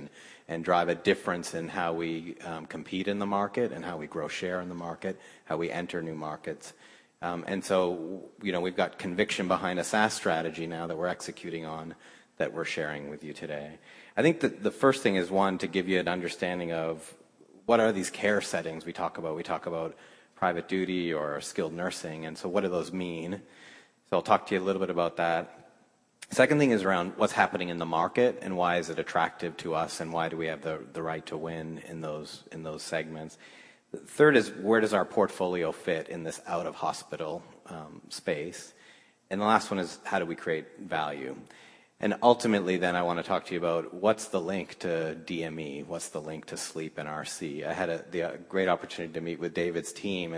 and drive a difference in how we compete in the market and how we grow share in the market, how we enter new markets. You know, we've got conviction behind a SaaS strategy now that we're executing on, that we're sharing with you today. I think the first thing is, one, to give you an understanding of what are these care settings we talk about. We talk about private duty or skilled nursing. What do those mean? I'll talk to you a little bit about that. Second thing is around what's happening in the market and why is it attractive to us, and why do we have the right to win in those segments. Third is where does our portfolio fit in this out-of-hospital space? The last one is how do we create value? Ultimately then I wanna talk to you about what's the link to DME? What's the link to sleep and RC? I had the great opportunity to meet with David's team.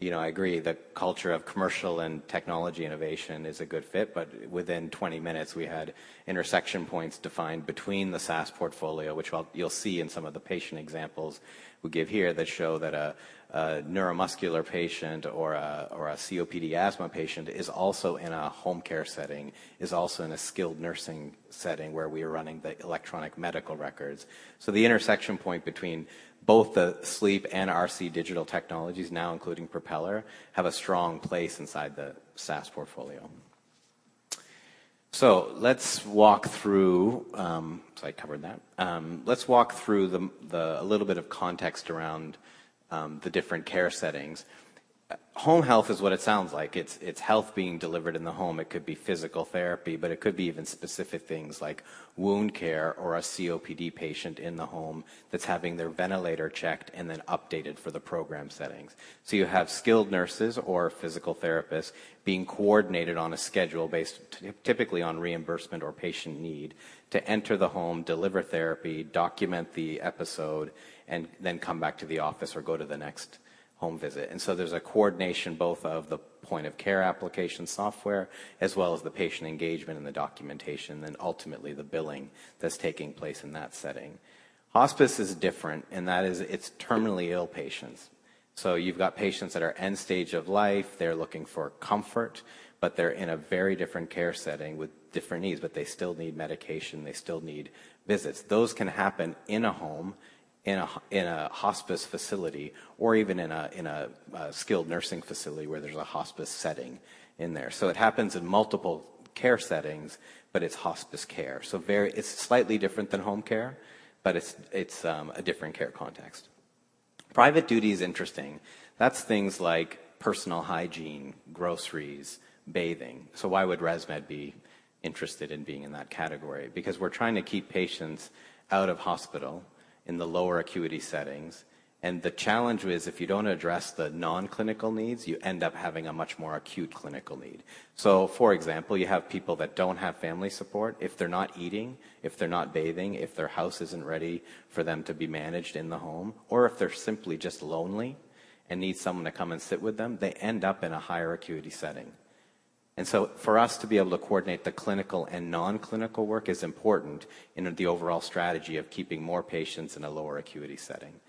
You know, I agree that culture of commercial and technology innovation is a good fit, but within 20 minutes, we had intersection points defined between the SaaS portfolio, which you'll see in some of the patient examples we give here that show that a neuromuscular patient or a COPD asthma patient is also in a home care setting, is also in a skilled nursing setting where we are running the electronic medical records. The intersection point between both the sleep and RC digital technologies, now including Propeller, have a strong place inside the SaaS portfolio. Let's walk through. I covered that. Let's walk through a little bit of context around the different care settings. Home health is what it sounds like. It's health being delivered in the home. It could be physical therapy, but it could be even specific things like wound care or a COPD patient in the home that's having their ventilator checked and then updated for the program settings. You have skilled nurses or physical therapists being coordinated on a schedule based typically on reimbursement or patient need to enter the home, deliver therapy, document the episode, and then come back to the office or go to the next home visit. There's a coordination both of the point of care application software as well as the patient engagement and the documentation, and ultimately the billing that's taking place in that setting. Hospice is different, and that is it's terminally ill patients. You've got patients that are end stage of life. They're looking for comfort, they're in a very different care setting with different needs. They still need medication, they still need visits. Those can happen in a home, in a hospice facility, or even in a skilled nursing facility where there's a hospice setting in there. It happens in multiple care settings, but it's hospice care. It's slightly different than home care, but it's a different care context. Private duty is interesting. That's things like personal hygiene, groceries, bathing. Why would ResMed be interested in being in that category? We're trying to keep patients out of hospital in the lower acuity settings, and the challenge is if you don't address the non-clinical needs, you end up having a much more acute clinical need. For example, you have people that don't have family support. If they're not eating, if they're not bathing, if their house isn't ready for them to be managed in the home, or if they're simply just lonely and need someone to come and sit with them, they end up in a higher acuity setting. For us to be able to coordinate the clinical and non-clinical work is important in the overall strategy of keeping more patients in a lower acuity setting.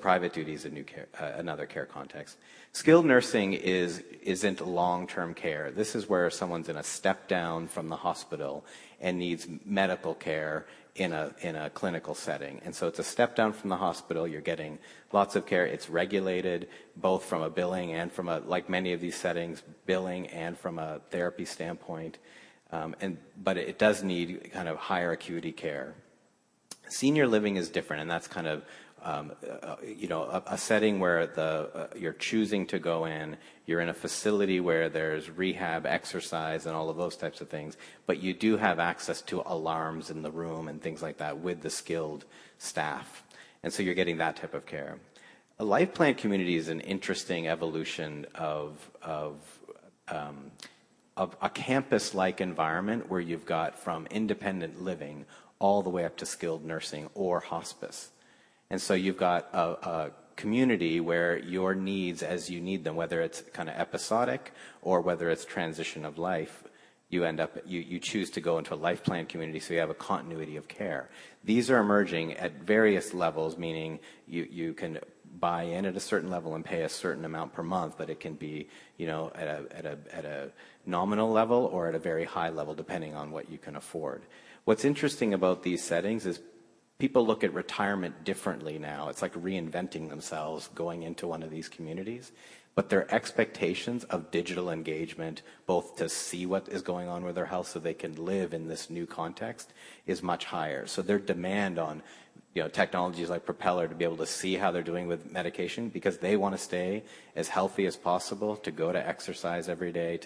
Private duty is a new, another care context. Skilled nursing isn't long-term care. This is where someone's in a step-down from the hospital and needs medical care in a, in a clinical setting. It's a step-down from the hospital. You're getting lots of care. It's regulated both from a billing and from a, like many of these settings, billing and from a therapy standpoint, and but it does need kind of higher acuity care. Senior living is different, and that's kind of, you know, a setting where the you're choosing to go in. You're in a facility where there's rehab, exercise, and all of those types of things, but you do have access to alarms in the room and things like that with the skilled staff, and so you're getting that type of care. A life plan community is an interesting evolution of a campus-like environment where you've got from independent living all the way up to skilled nursing or hospice. You've got a community where your needs as you need them, whether it's kind of episodic or whether it's transition of life, you choose to go into a life plan community, so you have a continuity of care. These are emerging at various levels, meaning you can buy in at a certain level and pay a certain amount per month, but it can be, you know, at a nominal level or at a very high level, depending on what you can afford. What's interesting about these settings is people look at retirement differently now. It's like reinventing themselves going into one of these communities. Their expectations of digital engagement, both to see what is going on with their health so they can live in this new context, is much higher. Their demand on, you know, technologies like Propeller to be able to see how they're doing with medication because they wanna stay as healthy as possible to go to exercise every day,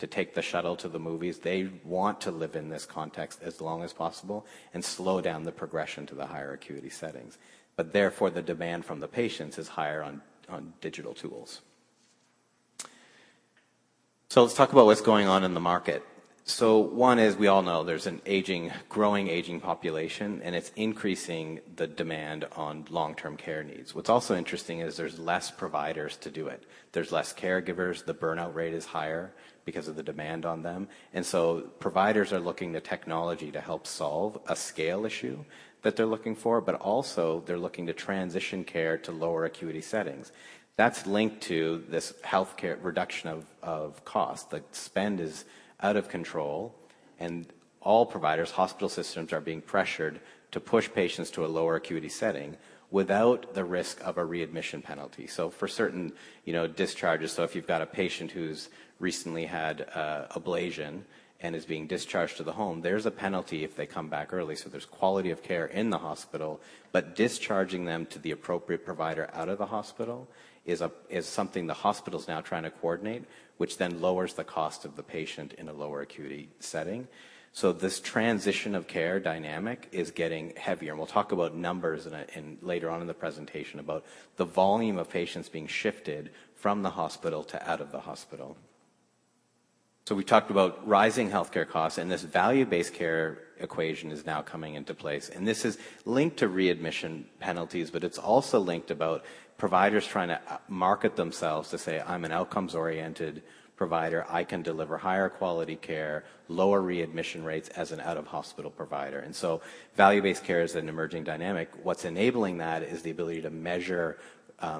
to take the shuttle to the movies. They want to live in this context as long as possible and slow down the progression to the higher acuity settings. Therefore, the demand from the patients is higher on digital tools. Let's talk about what's going on in the market. One is we all know there's a growing aging population, and it's increasing the demand on long-term care needs. What's also interesting is there's less providers to do it. There's less caregivers. The burnout rate is higher because of the demand on them. Providers are looking to technology to help solve a scale issue that they're looking for, but also they're looking to transition care to lower acuity settings. That's linked to this healthcare reduction of cost. The spend is out of control, and all providers, hospital systems are being pressured to push patients to a lower acuity setting without the risk of a readmission penalty. For certain, you know, discharges, if you've got a patient who's recently had ablation and is being discharged to the home, there's a penalty if they come back early. There's quality of care in the hospital, but discharging them to the appropriate provider out of the hospital is something the hospital's now trying to coordinate, which then lowers the cost of the patient in a lower acuity setting. This transition of care dynamic is getting heavier, and we'll talk about numbers later on in the presentation about the volume of patients being shifted from the hospital to out of the hospital. We talked about rising healthcare costs and this value based care equation is now coming into place and this is linked to readmission penalties but it's also linked about providers trying to market themselves to say I'm an outcomes oriented provider, I can deliver higher quality care, lower readmission rates as an out of hospital provider. Value based care is an emerging dynamic. What's enabling that is the ability to measure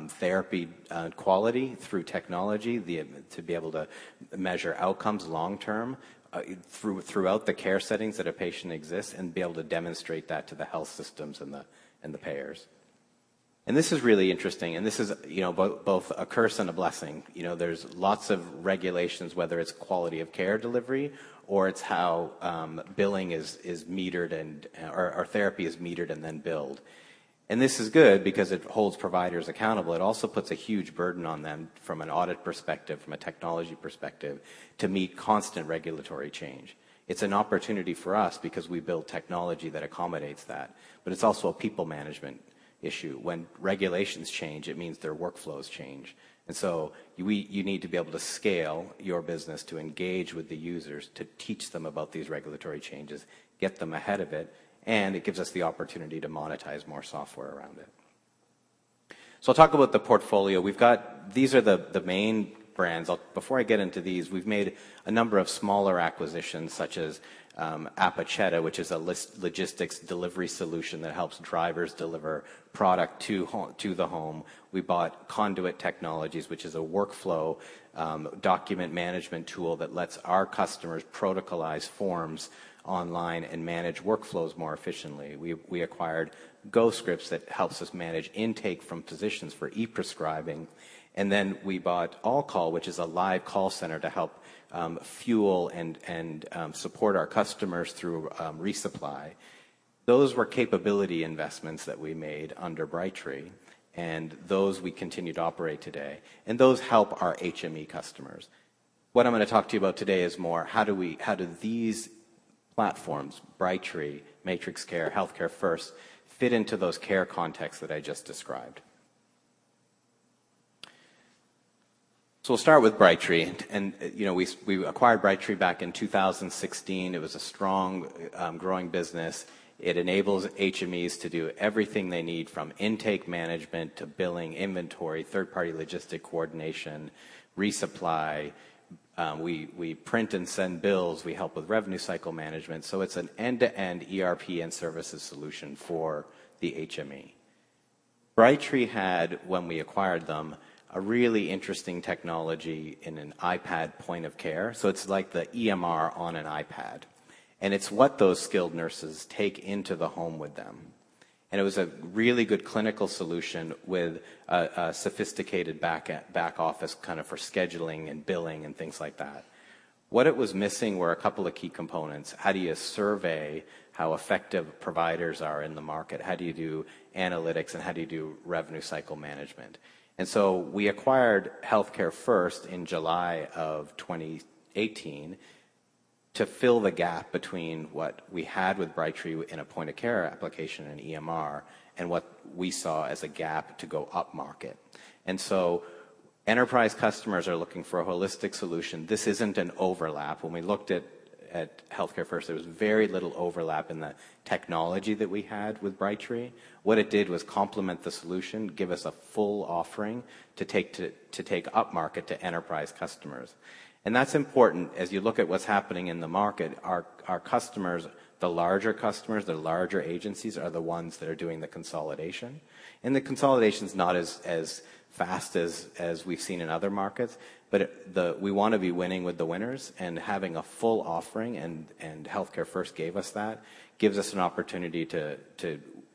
therapy quality through technology, to be able to measure outcomes long term throughout the care settings that a patient exists and be able to demonstrate that to the health systems and the, and the payers. This is really interesting and this is, you know, both a curse and a blessing. You know, there's lots of regulations whether it's quality of care delivery or it's how billing is metered or therapy is metered and then billed. This is good because it holds providers accountable. It also puts a huge burden on them from an audit perspective, from a technology perspective to meet constant regulatory change. It's an opportunity for us because we build technology that accommodates that, but it's also a people management issue. When regulations change, it means their workflows change. You need to be able to scale your business to engage with the users to teach them about these regulatory changes, get them ahead of it, and it gives us the opportunity to monetize more software around it. I'll talk about the portfolio. These are the main brands. Before I get into these, we've made a number of smaller acquisitions such as Apacheta which is a logistics delivery solution that helps drivers deliver product to the home. We bought Conduit Technology which is a workflow, document management tool that lets our customers protocolize forms online and manage workflows more efficiently. We acquired GoScripts that helps us manage intake from physicians for e-prescribing and then we bought AllCall which is a live call center to help fuel and support our customers through resupply. Those were capability investments that we made under Brightree and those we continue to operate today and those help our HME customers. What I'm gonna talk to you about today is more how do these platforms, Brightree, MatrixCare, HEALTHCAREfirst, fit into those care contexts that I just described. We'll start with Brightree and, you know, we acquired Brightree back in 2016. It was a strong, growing business. It enables HMEs to do everything they need from intake management to billing, inventory, third party logistic coordination, resupply. We print and send bills. We help with revenue cycle management. It's an end-to-end ERP and services solution for the HME. Brightree had, when we acquired them, a really interesting technology in an iPad point of care. It's like the EMR on an iPad and it's what those skilled nurses take into the home with them and it was a really good clinical solution with a sophisticated back office kind of for scheduling and billing and things like that. What it was missing were a couple of key components. How do you survey how effective providers are in the market? How do you do analytics and how do you do revenue cycle management? We acquired HEALTHCAREfirst in July of 2018 to fill the gap between what we had with Brightree in a point of care application and EMR and what we saw as a gap to go up market. Enterprise customers are looking for a holistic solution. This isn't an overlap. When we looked at HEALTHCAREfirst, there was very little overlap in the technology that we had with Brightree. What it did was complement the solution, give us a full offering to take up market to enterprise customers. That's important as you look at what's happening in the market. Our customers, the larger customers, the larger agencies are the ones that are doing the consolidation. The consolidation's not as fast as we've seen in other markets, but we want to be winning with the winners and having a full offering. HEALTHCAREfirst gave us that, gives us an opportunity to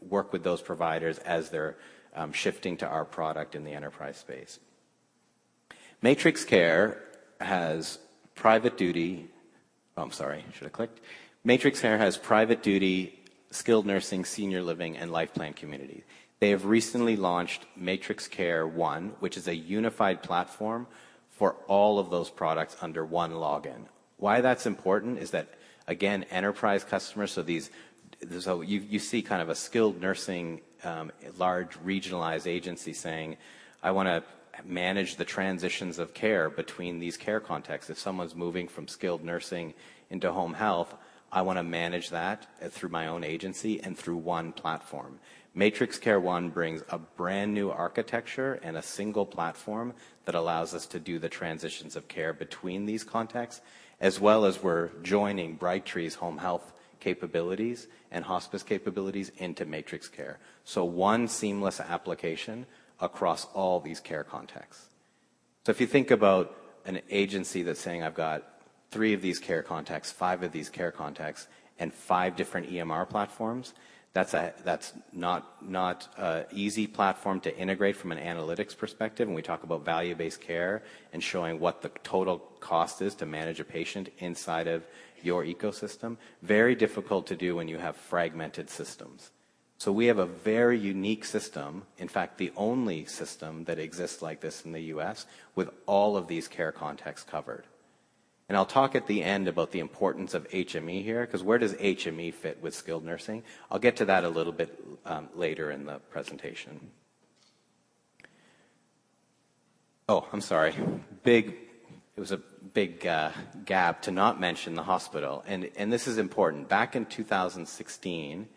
work with those providers as they're shifting to our product in the enterprise space. MatrixCare has. Oh, I'm sorry. I should have clicked. MatrixCare has private duty skilled nursing senior living and life plan community. They have recently launched MatrixCare One which is a unified platform for all of those products under one login. Why that's important is that again enterprise customers you see kind of a skilled nursing, large regionalized agency saying I wanna manage the transitions of care between these care contexts. If someone's moving from skilled nursing into home health, I wanna manage that through my own agency and through one platform. MatrixCare One brings a brand new architecture and a single platform that allows us to do the transitions of care between these contexts as well as we're joining Brightree's home health capabilities and hospice capabilities into MatrixCare. One seamless application across all these care contexts. If you think about an agency that's saying I've got three of these care contexts, five of these care contexts and five different EMR platforms, that's not a easy platform to integrate from an analytics perspective when we talk about value-based care and showing what the total cost is to manage a patient inside of your ecosystem. Very difficult to do when you have fragmented systems. We have a very unique system, in fact the only system that exists like this in the U.S. with all of these care contexts covered. I'll talk at the end about the importance of HME here 'cause where does HME fit with skilled nursing? I'll get to that a little bit later in the presentation. Oh, I'm sorry. It was a big gap to not mention the hospital and this is important. Back in 2016,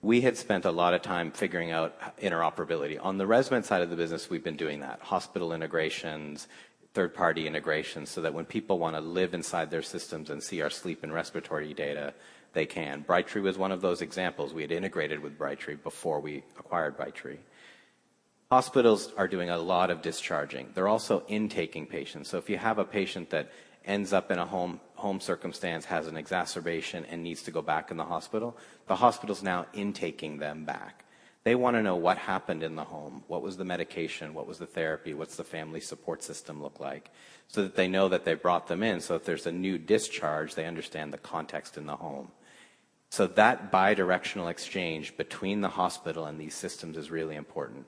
we had spent a lot of time figuring out interoperability. On the ResMed side of the business, we've been doing that, hospital integrations, third-party integrations, so that when people wanna live inside their systems and see our sleep and respiratory data, they can. Brightree was one of those examples. We had integrated with Brightree before we acquired Brightree. Hospitals are doing a lot of discharging. They're also intaking patients. If you have a patient that ends up in a home circumstance, has an exacerbation, and needs to go back in the hospital, the hospital's now intaking them back. They wanna know what happened in the home, what was the medication, what was the therapy, what's the family support system look like, so that they know that they brought them in. If there's a new discharge, they understand the context in the home. That bi-directional exchange between the hospital and these systems is really important.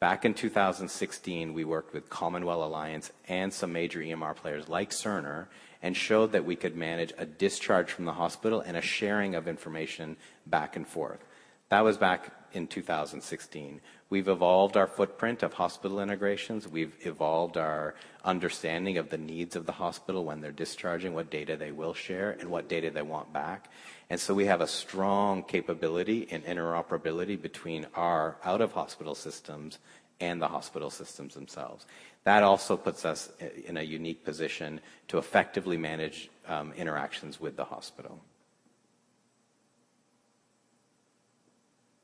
Back in 2016, we worked with CommonWell Health Alliance and some major EMR players like Cerner and showed that we could manage a discharge from the hospital and a sharing of information back and forth. That was back in 2016. We've evolved our footprint of hospital integrations. We've evolved our understanding of the needs of the hospital when they're discharging, what data they will share, and what data they want back. We have a strong capability in interoperability between our out-of-hospital systems and the hospital systems themselves. That also puts us in a unique position to effectively manage interactions with the hospital.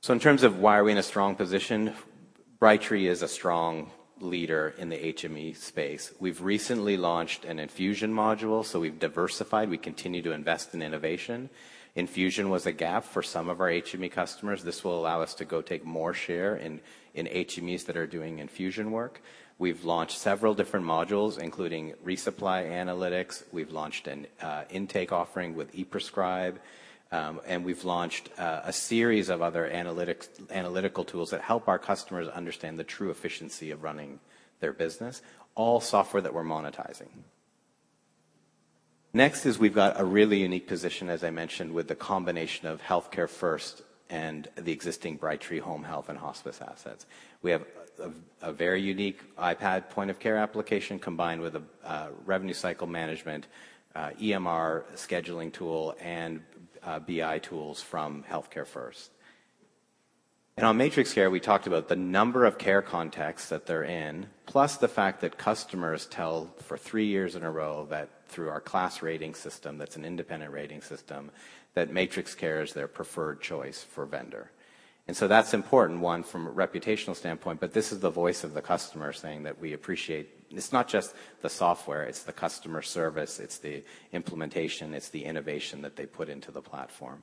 In terms of why are we in a strong position, Brightree is a strong leader in the HME space. We've recently launched an infusion module, so we've diversified. We continue to invest in innovation. Infusion was a gap for some of our HME customers. This will allow us to go take more share in HMEs that are doing infusion work. We've launched several different modules, including resupply analytics. We've launched an intake offering with ePrescribe, and we've launched a series of other analytical tools that help our customers understand the true efficiency of running their business, all software that we're monetizing. Next is we've got a really unique position, as I mentioned, with the combination of HEALTHCAREfirst and the existing Brightree Home Health and Hospice assets. We have a very unique iPad point-of-care application combined with a revenue cycle management EMR scheduling tool and BI tools from HEALTHCAREfirst. On MatrixCare, we talked about the number of care contexts that they're in, plus the fact that customers tell for three years in a row that through our KLAS rating system, that's an independent rating system, that MatrixCare is their preferred choice for vendor. That's important, one, from a reputational standpoint, but this is the voice of the customer saying that we appreciate. It's not just the software, it's the customer service, it's the implementation, it's the innovation that they put into the platform.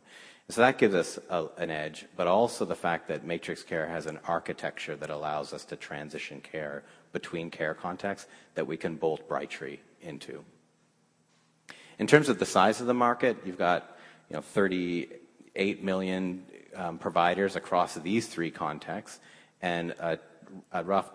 That gives us an edge, but also the fact that MatrixCare has an architecture that allows us to transition care between care contexts that we can bolt Brightree into. In terms of the size of the market, you've got, you know, 38 million providers across these three contexts and a rough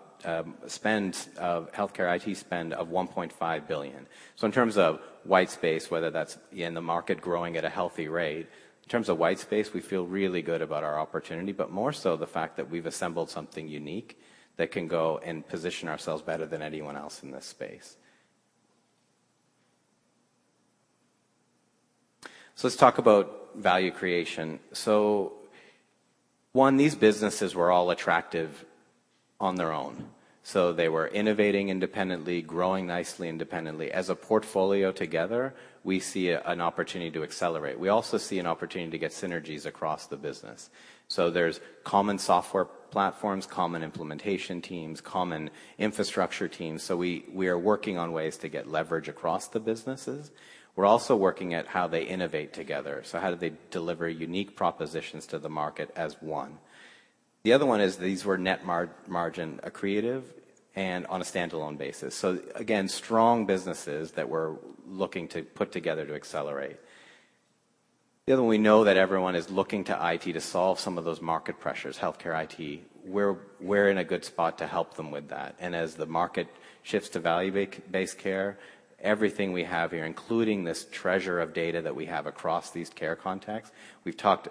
spend of healthcare IT spend of $1.5 billion. In terms of white space, whether that's in the market growing at a healthy rate, in terms of white space, we feel really good about our opportunity, but more so the fact that we've assembled something unique that can go and position ourselves better than anyone else in this space. Let's talk about value creation. One, these businesses were all attractive on their own. They were innovating independently, growing nicely independently. As a portfolio together, we see an opportunity to accelerate. We also see an opportunity to get synergies across the business. There's common software platforms, common implementation teams, common infrastructure teams, we are working on ways to get leverage across the businesses. We're also working at how they innovate together, how do they deliver unique propositions to the market as one. The other one is these were net margin accretive and on a standalone basis. Again, strong businesses that we're looking to put together to accelerate. The other one, we know that everyone is looking to IT to solve some of those market pressures, healthcare IT. We're in a good spot to help them with that. As the market shifts to value-based care, everything we have here, including this treasure of data that we have across these care contexts, we've talked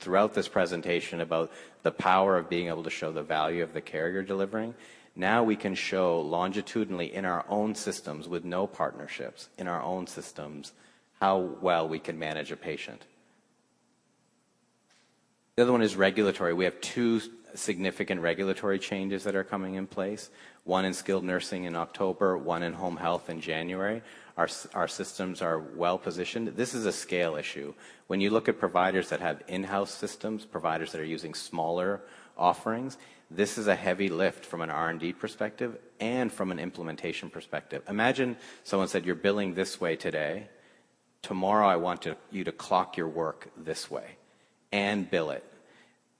throughout this presentation about the power of being able to show the value of the care you're delivering. Now, we can show longitudinally in our own systems with no partnerships, in our own systems, how well we can manage a patient. Regulatory. We have two significant regulatory changes that are coming in place, one in skilled nursing in October, one in home health in January. Our systems are well-positioned. This is a scale issue. When you look at providers that have in-house systems, providers that are using smaller offerings, this is a heavy lift from an R&D perspective and from an implementation perspective. Imagine someone said, "You're billing this way today. Tomorrow, you to clock your work this way and bill it."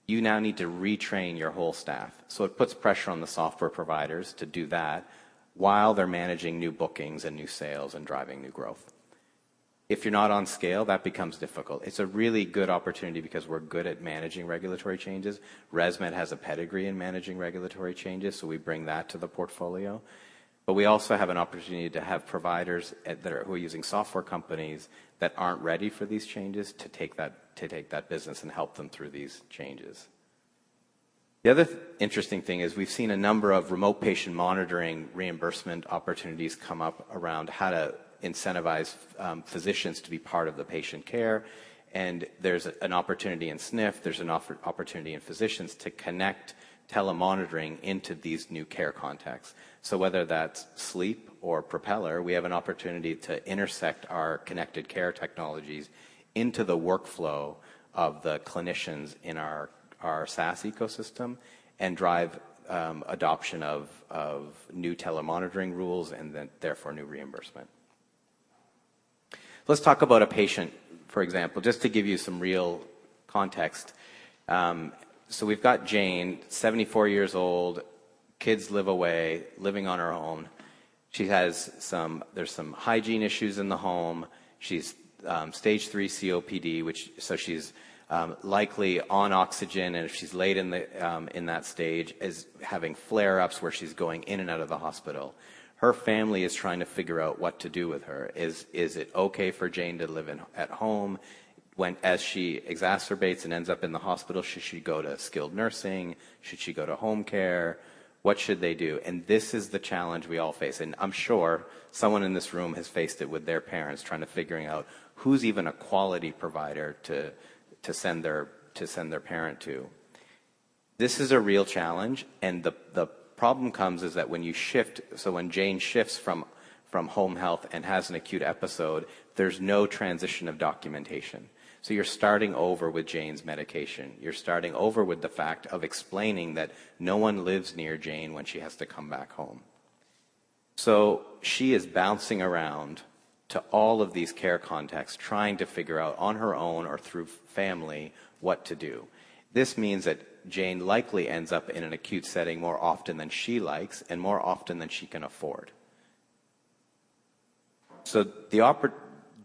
You now need to retrain your whole staff. It puts pressure on the software providers to do that while they're managing new bookings and new sales and driving new growth. If you're not on scale, that becomes difficult. It's a really good opportunity because we're good at managing regulatory changes. ResMed has a pedigree in managing regulatory changes, so we bring that to the portfolio. We also have an opportunity to have providers who are using software companies that aren't ready for these changes to take that business and help them through these changes. The other interesting thing is we've seen a number of remote patient monitoring reimbursement opportunities come up around how to incentivize physicians to be part of the patient care, and there's an opportunity in SNF, there's an opportunity in physicians to connect telemonitoring into these new care contexts. Whether that's Sleep or Propeller, we have an opportunity to intersect our connected care technologies into the workflow of the clinicians in our SaaS ecosystem and drive adoption of new telemonitoring rules therefore new reimbursement. Let's talk about a patient, for example, just to give you some real context. We've got Jane, 74 years old, kids live away, living on her own. There's some hygiene issues in the home. She's Stage 3 COPD, she's likely on oxygen, and if she's late in that stage, is having flare-ups where she's going in and out of the hospital. Her family is trying to figure out what to do with her. Is it okay for Jane to live at home? As she exacerbates and ends up in the hospital, should she go to skilled nursing? Should she go to home care? What should they do? This is the challenge we all face, I'm sure someone in this room has faced it with their parents, trying to figure out who's even a quality provider to send their parent to. This is a real challenge, and the problem comes is that when Jane shifts from home health and has an acute episode, there's no transition of documentation. You're starting over with Jane's medication. You're starting over with the fact of explaining that no one lives near Jane when she has to come back home. She is bouncing around to all of these care contexts trying to figure out on her own or through family what to do. This means that Jane likely ends up in an acute setting more often than she likes and more often than she can afford.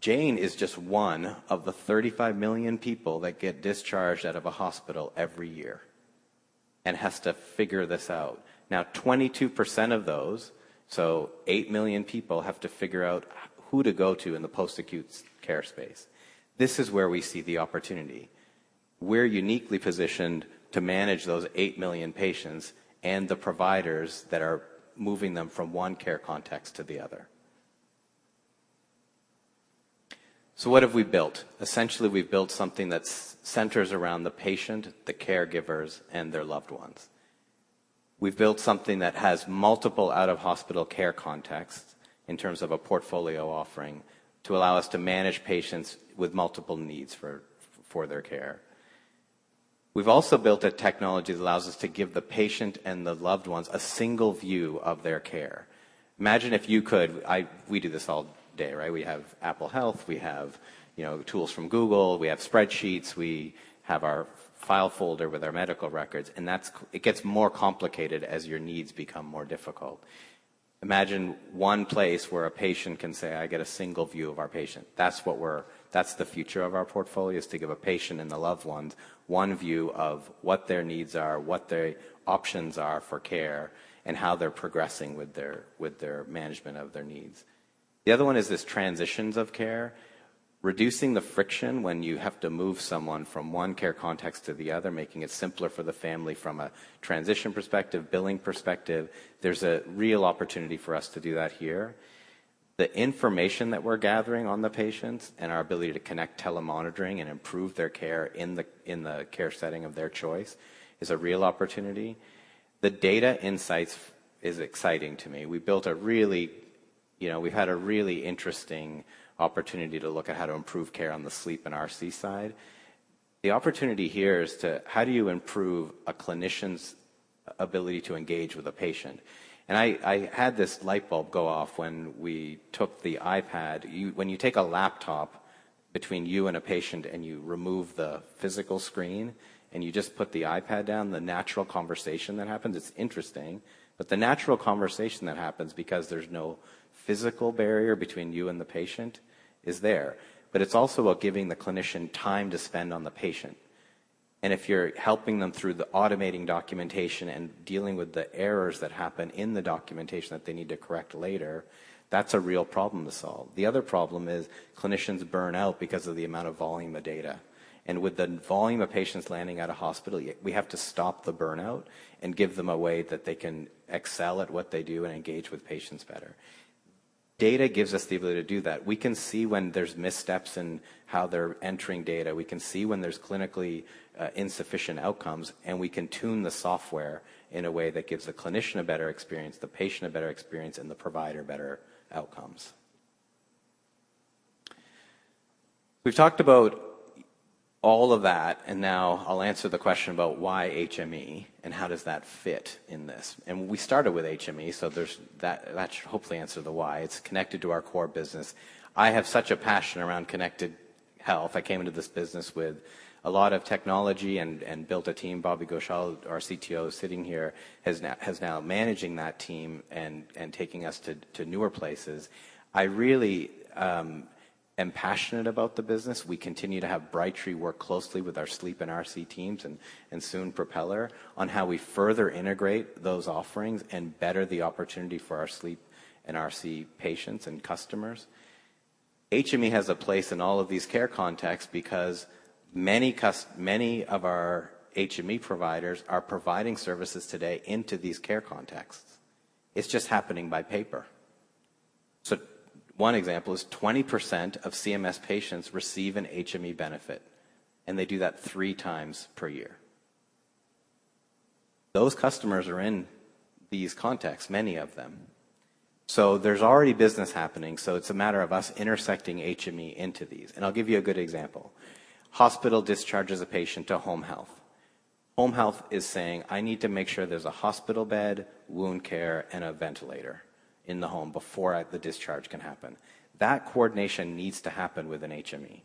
Jane is just one of the 35 million people that get discharged out of a hospital every year and has to figure this out. 22% of those, 8 million people, have to figure out who to go to in the post-acute care space. This is where we see the opportunity. We're uniquely positioned to manage those 8 million patients and the providers that are moving them from one care context to the other. What have we built? Essentially, we've built something that's centers around the patient, the caregivers, and their loved ones. We've built something that has multiple out-of-hospital care contexts in terms of a portfolio offering to allow us to manage patients with multiple needs for their care. We've also built a technology that allows us to give the patient and the loved ones a single view of their care. Imagine if you could, we do this all day, right? We have Apple Health. We have, you know, tools from Google. We have spreadsheets. We have our file folder with our medical records, and that's it gets more complicated as your needs become more difficult. Imagine one place where a patient can say, "I get a single view of our patient." That's the future of our portfolio, is to give a patient and the loved ones one view of what their needs are, what their options are for care, and how they're progressing with their management of their needs. The other one is this transitions of care. Reducing the friction when you have to move someone from one care context to the other, making it simpler for the family from a transition perspective, billing perspective. There's a real opportunity for us to do that here. The information that we're gathering on the patients and our ability to connect telemonitoring and improve their care in the care setting of their choice is a real opportunity. The data insights is exciting to me. You know, we've had a really interesting opportunity to look at how to improve care on the Sleep and RC side. The opportunity here is to how do you improve a clinician's ability to engage with a patient? I had this light bulb go off when we took the iPad. When you take a laptop between you and a patient and you remove the physical screen and you just put the iPad down, the natural conversation that happens, it's interesting. The natural conversation that happens because there's no physical barrier between you and the patient is there. It's also about giving the clinician time to spend on the patient. If you're helping them through the automating documentation and dealing with the errors that happen in the documentation that they need to correct later, that's a real problem to solve. The other problem is clinicians burn out because of the amount of volume of data. With the volume of patients landing at a hospital, we have to stop the burnout and give them a way that they can excel at what they do and engage with patients better. Data gives us the ability to do that. We can see when there's missteps in how they're entering data. We can see when there's clinically insufficient outcomes, we can tune the software in a way that gives the clinician a better experience, the patient a better experience, and the provider better outcomes. We've talked about all of that, now I'll answer the question about why HME and how does that fit in this. We started with HME, there's that. That should hopefully answer the why. It's connected to our core business. I have such a passion around connected health. I came into this business with a lot of technology and built a team. Bobby Ghoshal, our CTO, sitting here, has now managing that team and taking us to newer places. I really am passionate about the business. We continue to have Brightree work closely with our Sleep and RC teams and soon Propeller on how we further integrate those offerings and better the opportunity for our Sleep and RC patients and customers. HME has a place in all of these care contexts because many of our HME providers are providing services today into these care contexts. It's just happening by paper. One example is 20% of CMS patients receive an HME benefit, and they do that 3x per year. Those customers are in these contexts, many of them. There's already business happening, so it's a matter of us intersecting HME into these. I'll give you a good example. Hospital discharges a patient to home health. Home health is saying, "I need to make sure there's a hospital bed, wound care, and a ventilator in the home before the discharge can happen." That coordination needs to happen with an HME.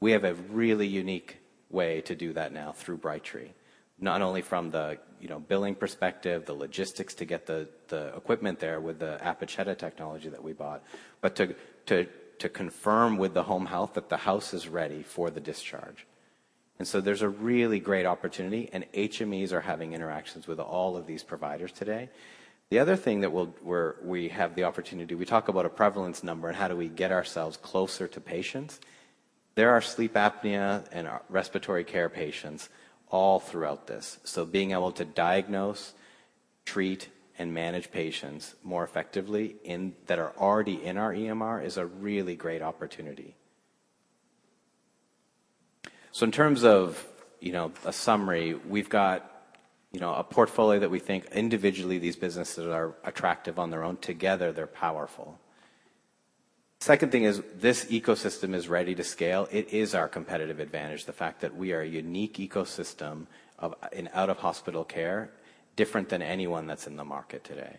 We have a really unique way to do that now through Brightree, not only from the, you know, billing perspective, the logistics to get the equipment there with the Apacheta technology that we bought, but to confirm with the home health that the house is ready for the discharge. There's a really great opportunity, and HMEs are having interactions with all of these providers today. The other thing that we have the opportunity, we talk about a prevalence number and how do we get ourselves closer to patients. There are sleep apnea and respiratory care patients all throughout this. Being able to diagnose, treat, and manage patients more effectively that are already in our EMR is a really great opportunity. In terms of, you know, a summary, we've got, you know, a portfolio that we think individually these businesses are attractive on their own. Together, they're powerful. Second thing is this ecosystem is ready to scale. It is our competitive advantage, the fact that we are a unique ecosystem in out-of-hospital care, different than anyone that's in the market today.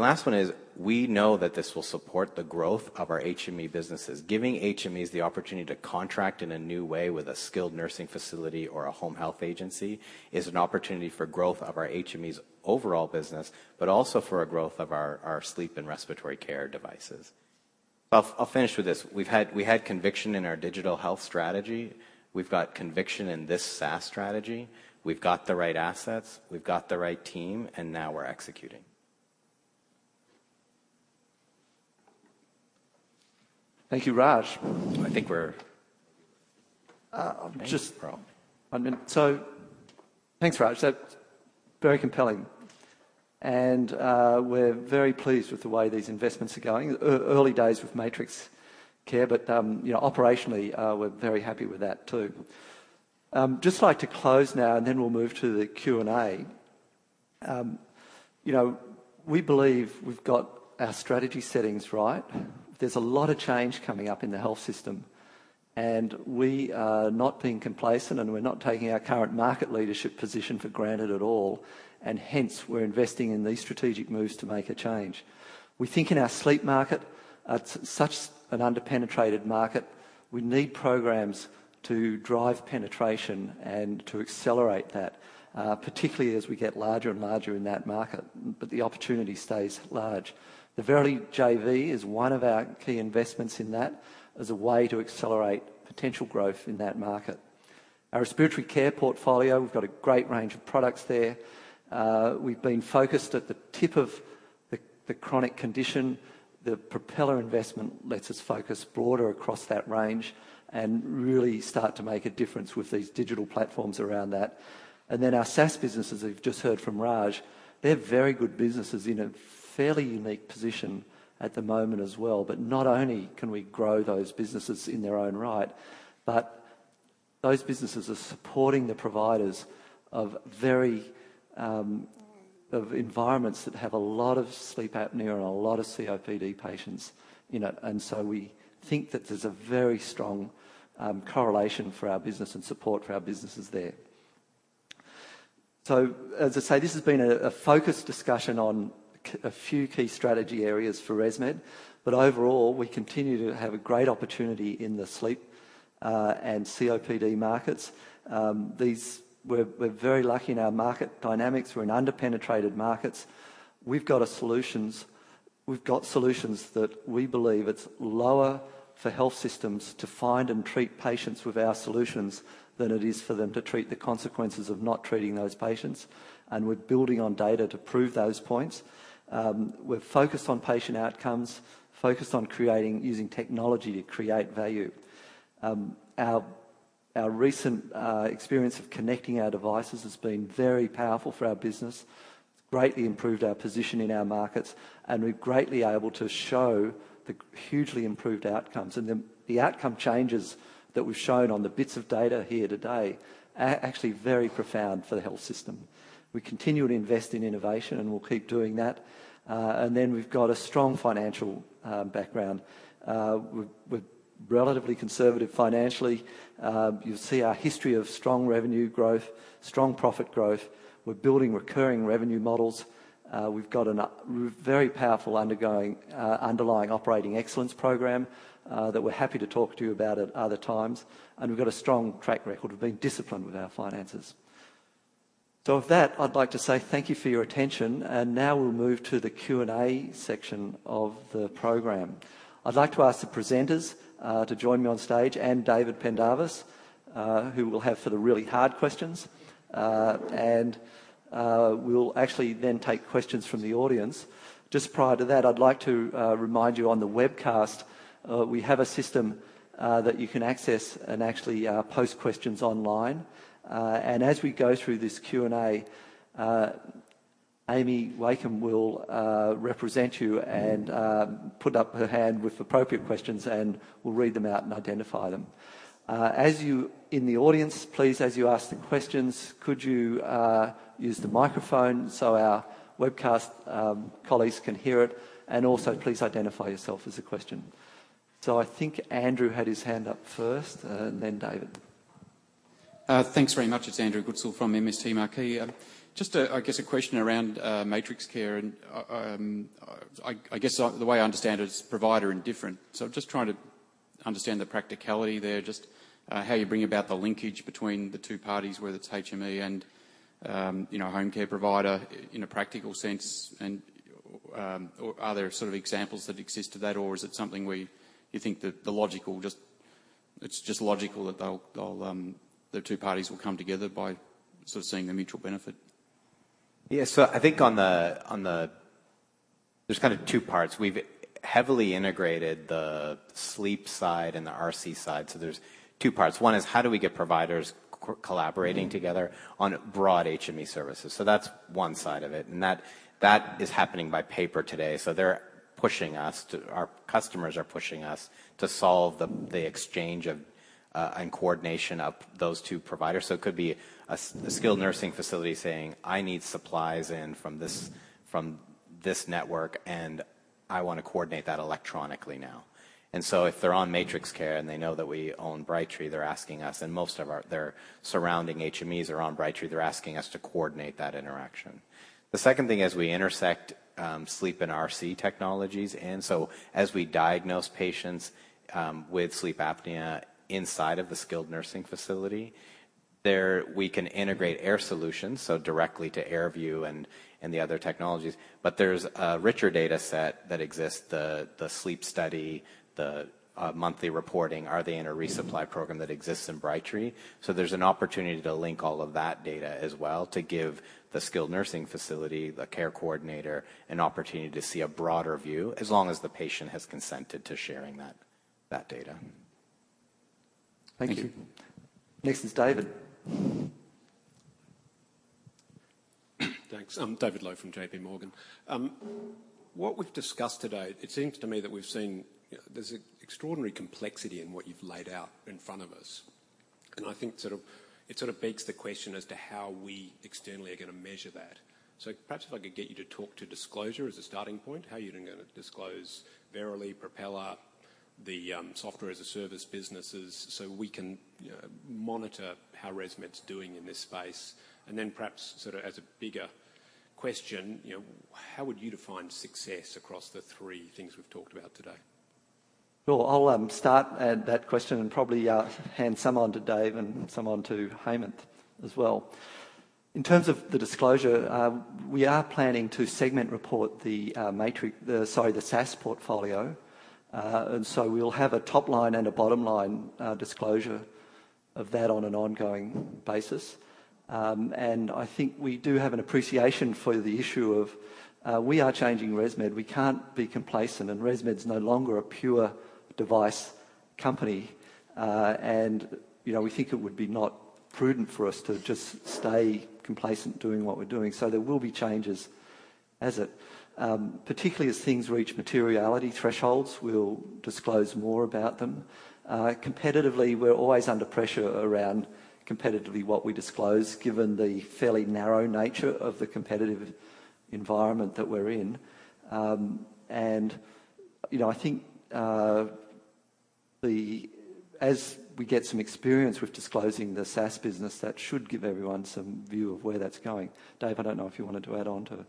Last one is we know that this will support the growth of our HME businesses. Giving HMEs the opportunity to contract in a new way with a skilled nursing facility or a home health agency is an opportunity for growth of our HMEs' overall business, but also for a growth of our sleep and respiratory care devices. I'll finish with this. We had conviction in our digital health strategy. We've got conviction in this SaaS strategy. We've got the right assets. We've got the right team, now we're executing. Thank you, Raj. I think we're. Uh, just- Anything wrong? One minute. Thanks, Raj. That's very compelling. We're very pleased with the way these investments are going. Early days with MatrixCare, but, you know, operationally, we're very happy with that, too. Just like to close now, we'll move to the Q&A. You know, we believe we've got our strategy settings right. There's a lot of change coming up in the health system, we are not being complacent, we're not taking our current market leadership position for granted at all, we're investing in these strategic moves to make a change. We think in our sleep market, it's such an under-penetrated market. We need programs to drive penetration and to accelerate that, particularly as we get larger and larger in that market, the opportunity stays large. The Verily JV is one of our key investments in that as a way to accelerate potential growth in that market. Our respiratory care portfolio, we've got a great range of products there. We've been focused at the tip of the chronic condition. The Propeller investment lets us focus broader across that range and really start to make a difference with these digital platforms around that. Our SaaS businesses, as you've just heard from Raj, they're very good businesses in a fairly unique position at the moment as well. Not only can we grow those businesses in their own right, but those businesses are supporting the providers of very of environments that have a lot of sleep apnea and a lot of COPD patients, you know. We think that there's a very strong correlation for our business and support for our businesses there. As I say, this has been a focused discussion on a few key strategy areas for ResMed. Overall, we continue to have a great opportunity in the sleep and COPD markets. These we're very lucky in our market dynamics. We're in under-penetrated markets. We've got solutions that we believe it's lower for health systems to find and treat patients with our solutions than it is for them to treat the consequences of not treating those patients, and we're building on data to prove those points. We're focused on patient outcomes, focused on using technology to create value. Our recent experience of connecting our devices has been very powerful for our business. It's greatly improved our position in our markets, and we're greatly able to show the hugely improved outcomes. The outcome changes that we've shown on the bits of data here today are actually very profound for the health system. We continue to invest in innovation, and we'll keep doing that. We've got a strong financial background. We're relatively conservative financially. You'll see our history of strong revenue growth, strong profit growth. We're building recurring revenue models. We've got a very powerful underlying operating excellence program that we're happy to talk to you about at other times, and we've got a strong track record of being disciplined with our finances. With that, I'd like to say thank you for your attention, and now we'll move to the Q&A section of the program. I'd like to ask the presenters to join me on stage, and David Pendarvis, who we'll have for the really hard questions. We'll actually then take questions from the audience. Just prior to that, I'd like to remind you on the webcast, we have a system that you can access and actually post questions online. As we go through this Q&A, Amy Wakeham will represent you and put up her hand with appropriate questions, and we'll read them out and identify them. As you in the audience, please, as you ask the questions, could you use the microphone so our webcast colleagues can hear it? Also please identify yourself as a question. I think Andrew had his hand up first and then David. Thanks very much. It's Andrew Goodsall from MST Marquee. Just a, I guess, a question around MatrixCare and, I guess, the way I understand it is provider indifferent. Just trying to understand the practicality there, just how you bring about the linkage between the two parties, whether it's HME and, you know, home care provider in a practical sense. Or are there sort of examples that exist to that, or is it something where you think that the logical, it's just logical that they'll, the two parties will come together by sort of seeing the mutual benefit? I think there's two parts. We've heavily integrated the sleep side and the RC side. There's two parts. One is how do we get providers collaborating together on broad HME services? That's one side of it, and that is happening by paper today. Our customers are pushing us to solve the exchange of and coordination of those two providers. It could be a skilled nursing facility saying, "I need supplies in from this network, and I wanna coordinate that electronically now." If they're on MatrixCare and they know that we own Brightree, they're asking us, and most of their surrounding HMEs are on Brightree. They're asking us to coordinate that interaction. The second thing is we intersect sleep and RC technologies. As we diagnose patients with sleep apnea inside of the skilled nursing facility, there we can integrate Air Solutions, so directly to AirView and the other technologies. There's a richer data set that exists, the sleep study, the monthly reporting. Are they in a resupply program that exists in Brightree? There's an opportunity to link all of that data as well to give the skilled nursing facility, the care coordinator, an opportunity to see a broader view as long as the patient has consented to sharing that data. Thank you. Next is David. Thanks. I'm David Low from JPMorgan. What we've discussed today, it seems to me that we've seen, you know, there's an extraordinary complexity in what you've laid out in front of us. I think it sort of begs the question as to how we externally are gonna measure that. Perhaps if I could get you to talk to disclosure as a starting point, how you then gonna disclose Verily, Propeller, the software-as-a-service businesses so we can, you know, monitor how ResMed's doing in this space. Perhaps sort of as a bigger question, you know, how would you define success across the three things we've talked about today? I'll start at that question and probably hand some on to Dave and some on to Hemanth as well. In terms of the disclosure, we are planning to segment report the SaaS portfolio. We'll have a top line and a bottom line disclosure of that on an ongoing basis. I think we do have an appreciation for the issue of, we are changing ResMed. We can't be complacent, and ResMed's no longer a pure device company. You know, we think it would be not prudent for us to just stay complacent doing what we're doing. There will be changes as it, particularly as things reach materiality thresholds, we'll disclose more about them. Competitively, we're always under pressure around competitively what we disclose given the fairly narrow nature of the competitive environment that we're in. You know, I think, as we get some experience with disclosing the SaaS business, that should give everyone some view of where that's going. Dave, I don't know if you wanted to add on to that.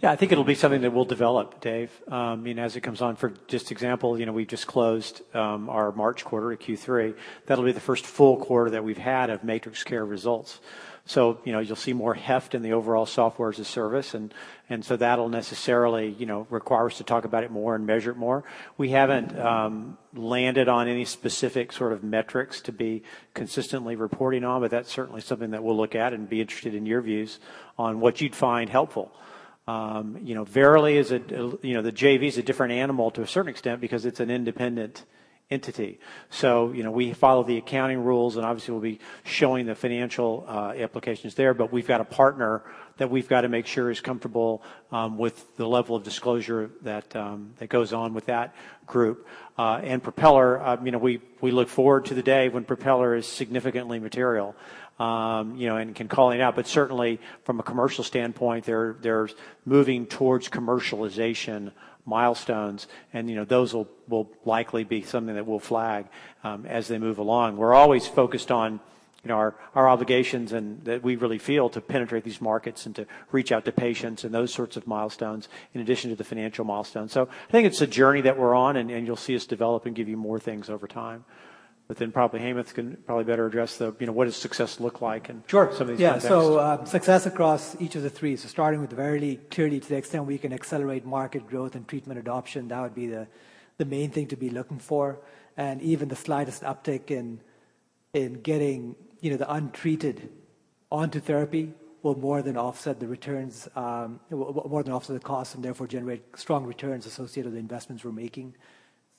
Yeah, I think it'll be something that we'll develop, Dave. I mean, as it comes on For just example, you know, we just closed our March quarter at Q3. That'll be the first full quarter that we've had of MatrixCare results. You know, you'll see more heft in the overall software as a service. That'll necessarily, you know, require us to talk about it more and measure it more. We haven't landed on any specific sort of metrics to be consistently reporting on, that's certainly something that we'll look at and be interested in your views on what you'd find helpful. You know, Verily is a You know, the JV is a different animal to a certain extent because it's an independent entity. You know, we follow the accounting rules, and obviously, we'll be showing the financial applications there. We've got a partner that we've got to make sure is comfortable with the level of disclosure that goes on with that group. Propeller, you know, we look forward to the day when Propeller is significantly material, you know, and can call it out. Certainly, from a commercial standpoint, they're moving towards commercialization milestones. You know, those will likely be something that we'll flag as they move along. We're always focused on, you know, our obligations and that we really feel to penetrate these markets and to reach out to patients and those sorts of milestones in addition to the financial milestones. I think it's a journey that we're on, and you'll see us develop and give you more things over time. Hemanth can probably better address the, you know, what does success look like. Sure. Some of these contexts. Yeah. Success across each of the three. Starting with Verily, clearly to the extent we can accelerate market growth and treatment adoption, that would be the main thing to be looking for. Even the slightest uptick in getting, you know, the untreated onto therapy will more than offset the returns, more than offset the cost, and therefore generate strong returns associated with the investments we're making.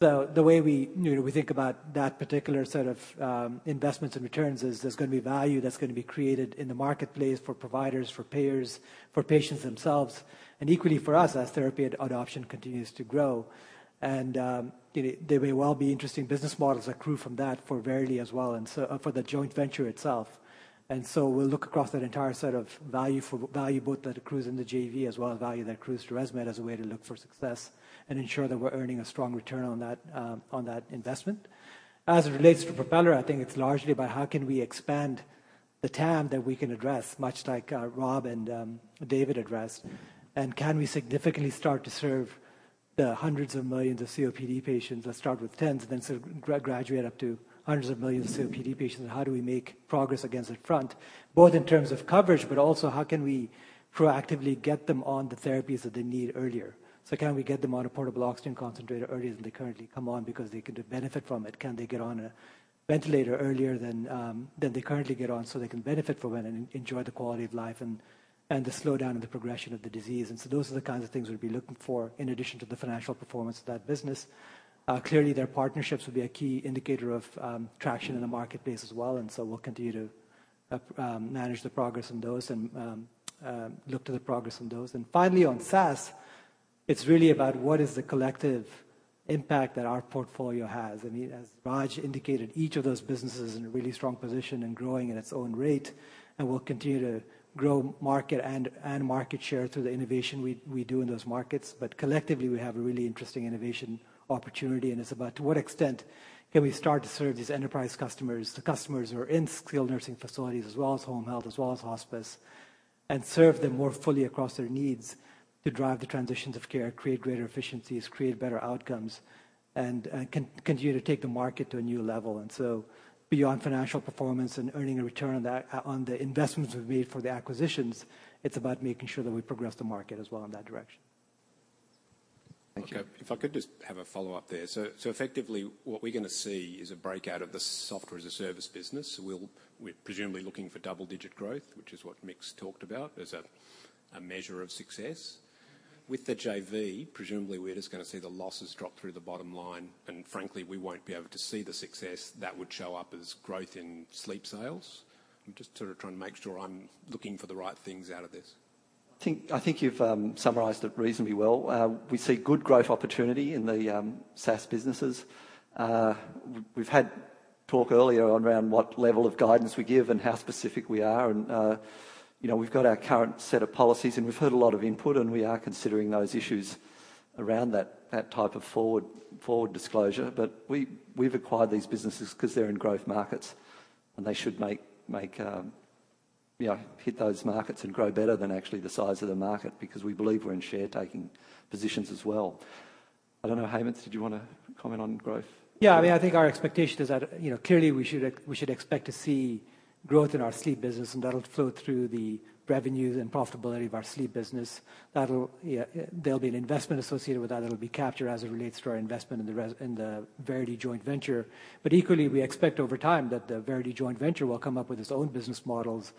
The way we, you know, we think about that particular set of investments and returns is there's gonna be value that's gonna be created in the marketplace for providers, for payers, for patients themselves, and equally for us as therapy and adoption continues to grow. You know, there may well be interesting business models accrue from that for Verily as well, and so, for the joint venture itself. We'll look across that entire set of value both that accrues in the JV, as well as value that accrues to ResMed as a way to look for success and ensure that we're earning a strong return on that, on that investment. As it relates to Propeller, I think it's largely about how can we expand the TAM that we can address, much like Rob and David addressed. Can we significantly start to serve the hundreds of millions of COPD patients that start with tens and then sort of graduate up to hundreds of millions of COPD patients? How do we make progress against that front, both in terms of coverage, but also how can we proactively get them on the therapies that they need earlier? Can we get them on a portable oxygen concentrator earlier than they currently come on because they could benefit from it? Can they get on a ventilator earlier than they currently get on, so they can benefit from it and enjoy the quality of life and the slowdown in the progression of the disease? Those are the kinds of things we'd be looking for in addition to the financial performance of that business. Clearly their partnerships will be a key indicator of traction in the marketplace as well, and we'll continue to manage the progress on those and look to the progress on those. Finally, on SaaS, it's really about what is the collective impact that our portfolio has. I mean, as Raj indicated, each of those businesses is in a really strong position and growing at its own rate and will continue to grow market and market share through the innovation we do in those markets. Collectively, we have a really interesting innovation opportunity, and it's about to what extent can we start to serve these enterprise customers, the customers who are in skilled nursing facilities, as well as home health, as well as hospice, and serve them more fully across their needs to drive the transitions of care, create greater efficiencies, create better outcomes, and continue to take the market to a new level. Beyond financial performance and earning a return on that on the investments we've made for the acquisitions, it's about making sure that we progress the market as well in that direction. Thank you. If I could just have a follow-up there. Effectively what we're going to see is a breakout of the software as a service business. We're presumably looking for double-digit growth, which is what Mick's talked about as a measure of success. With the JV, presumably we're just going to see the losses drop through the bottom line, and frankly, we won't be able to see the success that would show up as growth in sleep sales. I'm just sort of trying to make sure I'm looking for the right things out of this. I think you've summarized it reasonably well. We see good growth opportunity in the SaaS businesses. We've had talk earlier on around what level of guidance we give and how specific we are and, you know, we've got our current set of policies, and we've heard a lot of input, and we are considering those issues around that type of forward disclosure. We, we've acquired these businesses 'cause they're in growth markets, and they should make, you know, hit those markets and grow better than actually the size of the market because we believe we're in share taking positions as well. I don't know, Hemanth, did you wanna comment on growth? Yeah. I mean, I think our expectation is that, you know, clearly we should expect to see growth in our sleep business, and that'll flow through the revenues and profitability of our sleep business. That'll, yeah, there'll be an investment associated with that. It'll be captured as it relates to our investment in the Verily joint venture. Equally, we expect over time that the Verily joint venture will come up with its own business models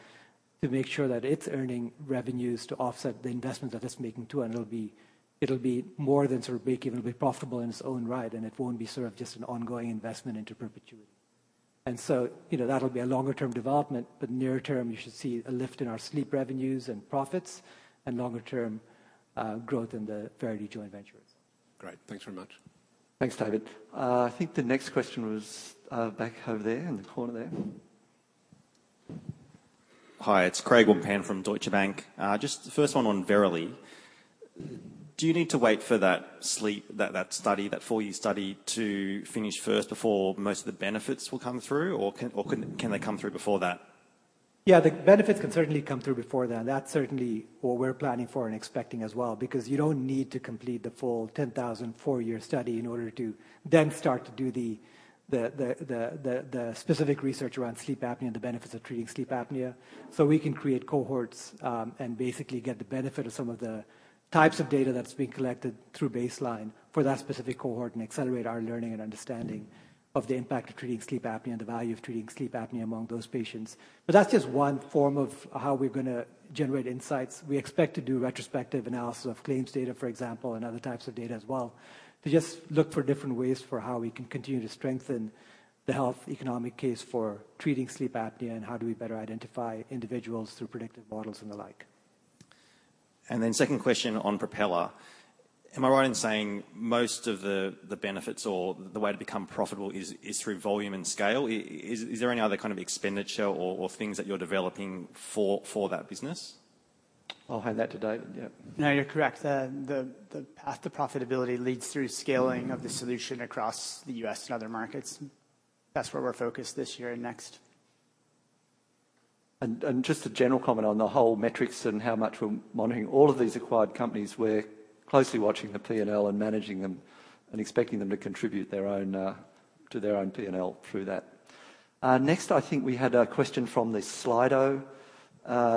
to make sure that it's earning revenues to offset the investments that it's making too, and it'll be, it'll be more than sort of break even. It'll be profitable in its own right, and it won't be sort of just an ongoing investment into perpetuity. You know, that'll be a longer-term development, but near term, you should see a lift in our sleep revenues and profits and longer-term, growth in the Verily joint venture as well. Great. Thanks very much. Thanks, David. I think the next question was back over there in the corner there. Hi, it's Craig Wong-Pan from Deutsche Bank. Just first one on Verily. Do you need to wait for that sleep study, that four-year study to finish first before most of the benefits will come through or can they come through before that? Yeah. The benefits can certainly come through before that. That's certainly what we're planning for and expecting as well because you don't need to complete the full 10,000 four-year study in order to then start to do the specific research around sleep apnea and the benefits of treating sleep apnea. We can create cohorts and basically get the benefit of some of the types of data that's being collected through Project Baseline for that specific cohort and accelerate our learning and understanding of the impact of treating sleep apnea and the value of treating sleep apnea among those patients. That's just one form of how we're gonna generate insights. We expect to do retrospective analysis of claims data, for example, and other types of data as well, to just look for different ways for how we can continue to strengthen the health economic case for treating sleep apnea and how do we better identify individuals through predictive models and the like. Second question on Propeller. Am I right in saying most of the benefits or the way to become profitable is through volume and scale? Is there any other kind of expenditure or things that you're developing for that business? I'll hand that to Dave. Yeah. No, you're correct. The path to profitability leads through scaling of the solution across the U.S. and other markets. That's where we're focused this year and next. Just a general comment on the whole metrics and how much we're monitoring all of these acquired companies. We're closely watching the P&L and managing them and expecting them to contribute their own to their own P&L through that. Next, I think we had a question from the Slido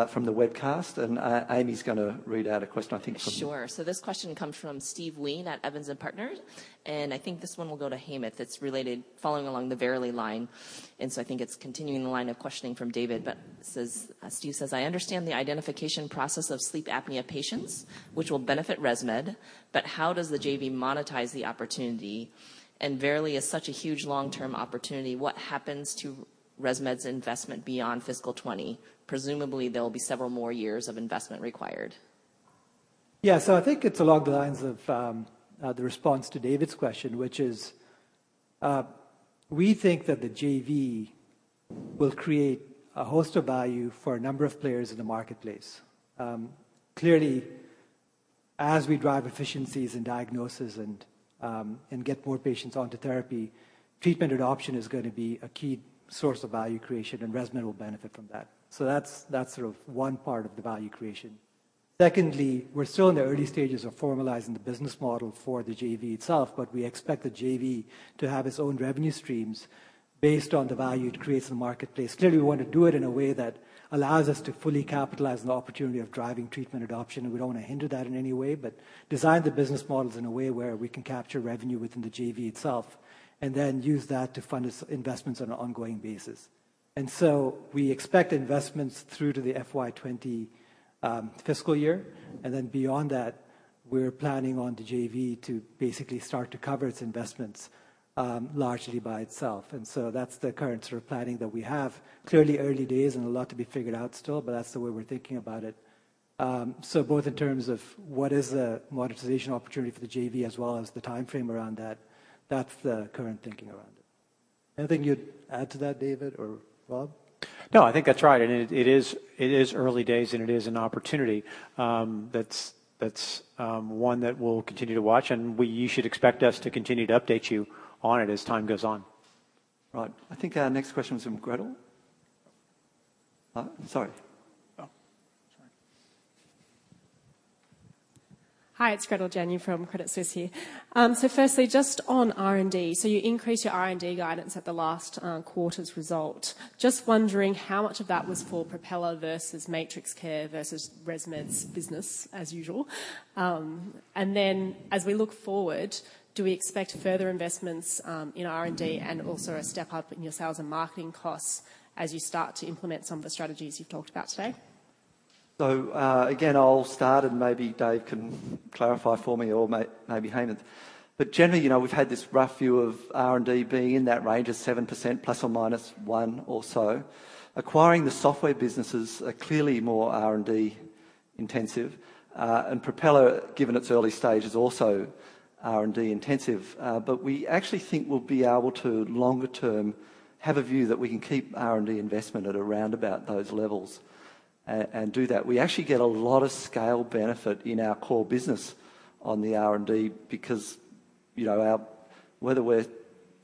from the webcast, and Amy's gonna read out a question, I think. Sure. This question comes from Steve Wheen at Evans & Partners, and I think this one will go to Hemanth. It's related, following along the Verily line. I think it's continuing the line of questioning from David. Steve says, "I understand the identification process of sleep apnea patients, which will benefit ResMed, but how does the JV monetize the opportunity? Verily is such a huge long-term opportunity. What happens to ResMed's investment beyond fiscal 20? Presumably, there will be several more years of investment required. Yeah. I think it's along the lines of the response to David's question, which is, we think that the JV will create a host of value for a number of players in the marketplace. Clearly, as we drive efficiencies in diagnosis and get more patients onto therapy, treatment adoption is gonna be a key source of value creation, and ResMed will benefit from that. That's sort of one part of the value creation. Secondly, we're still in the early stages of formalizing the business model for the JV itself, but we expect the JV to have its own revenue streams based on the value it creates in the marketplace. Clearly, we want to do it in a way that allows us to fully capitalize on the opportunity of driving treatment adoption, and we don't want to hinder that in any way. Design the business models in a way where we can capture revenue within the JV itself and then use that to fund its investments on an ongoing basis. We expect investments through to the FY 2020 fiscal year, beyond that, we're planning on the JV to basically start to cover its investments largely by itself. That's the current sort of planning that we have. Clearly, early days and a lot to be figured out still, but that's the way we're thinking about it. Both in terms of what is the monetization opportunity for the JV as well as the timeframe around that's the current thinking around it. Anything you'd add to that, David or Rob? No, I think that's right. It is early days, and it is an opportunity. That's one that we'll continue to watch, and you should expect us to continue to update you on it as time goes on. Right. I think our next question was from Gretel. Sorry. Oh, sorry. Hi, it's Gretel Janu from Credit Suisse here. Firstly, just on R&D. You increased your R&D guidance at the last quarter's result. Just wondering how much of that was for Propeller versus MatrixCare versus ResMed's business as usual. As we look forward, do we expect further investments in R&D and also a step-up in your sales and marketing costs as you start to implement some of the strategies you've talked about today? Again, I'll start, and maybe Dave can clarify for me or maybe Hemanth. Generally, you know, we've had this rough view of R&D being in that range of 7%+ or -1 or so. Acquiring the software businesses are clearly more R&D intensive. Propeller, given its early stage, is also R&D intensive. We actually think we'll be able to, longer term, have a view that we can keep R&D investment at around about those levels and do that. We actually get a lot of scale benefit in our core business on the R&D because, you know, whether we're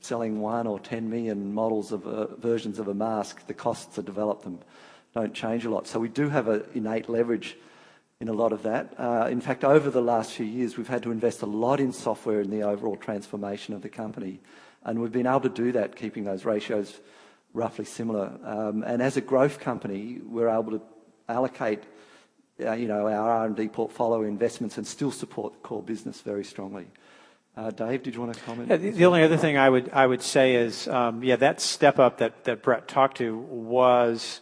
selling 1 or 10 million models of versions of a mask, the costs to develop them don't change a lot. We do have an innate leverage in a lot of that. In fact, over the last few years, we've had to invest a lot in software in the overall transformation of the company, and we've been able to do that, keeping those ratios roughly similar. As a growth company, we're able to allocate, you know, our R&D portfolio investments and still support the core business very strongly. Dave, did you wanna comment? The only other thing I would say is that step-up that Brett talked to was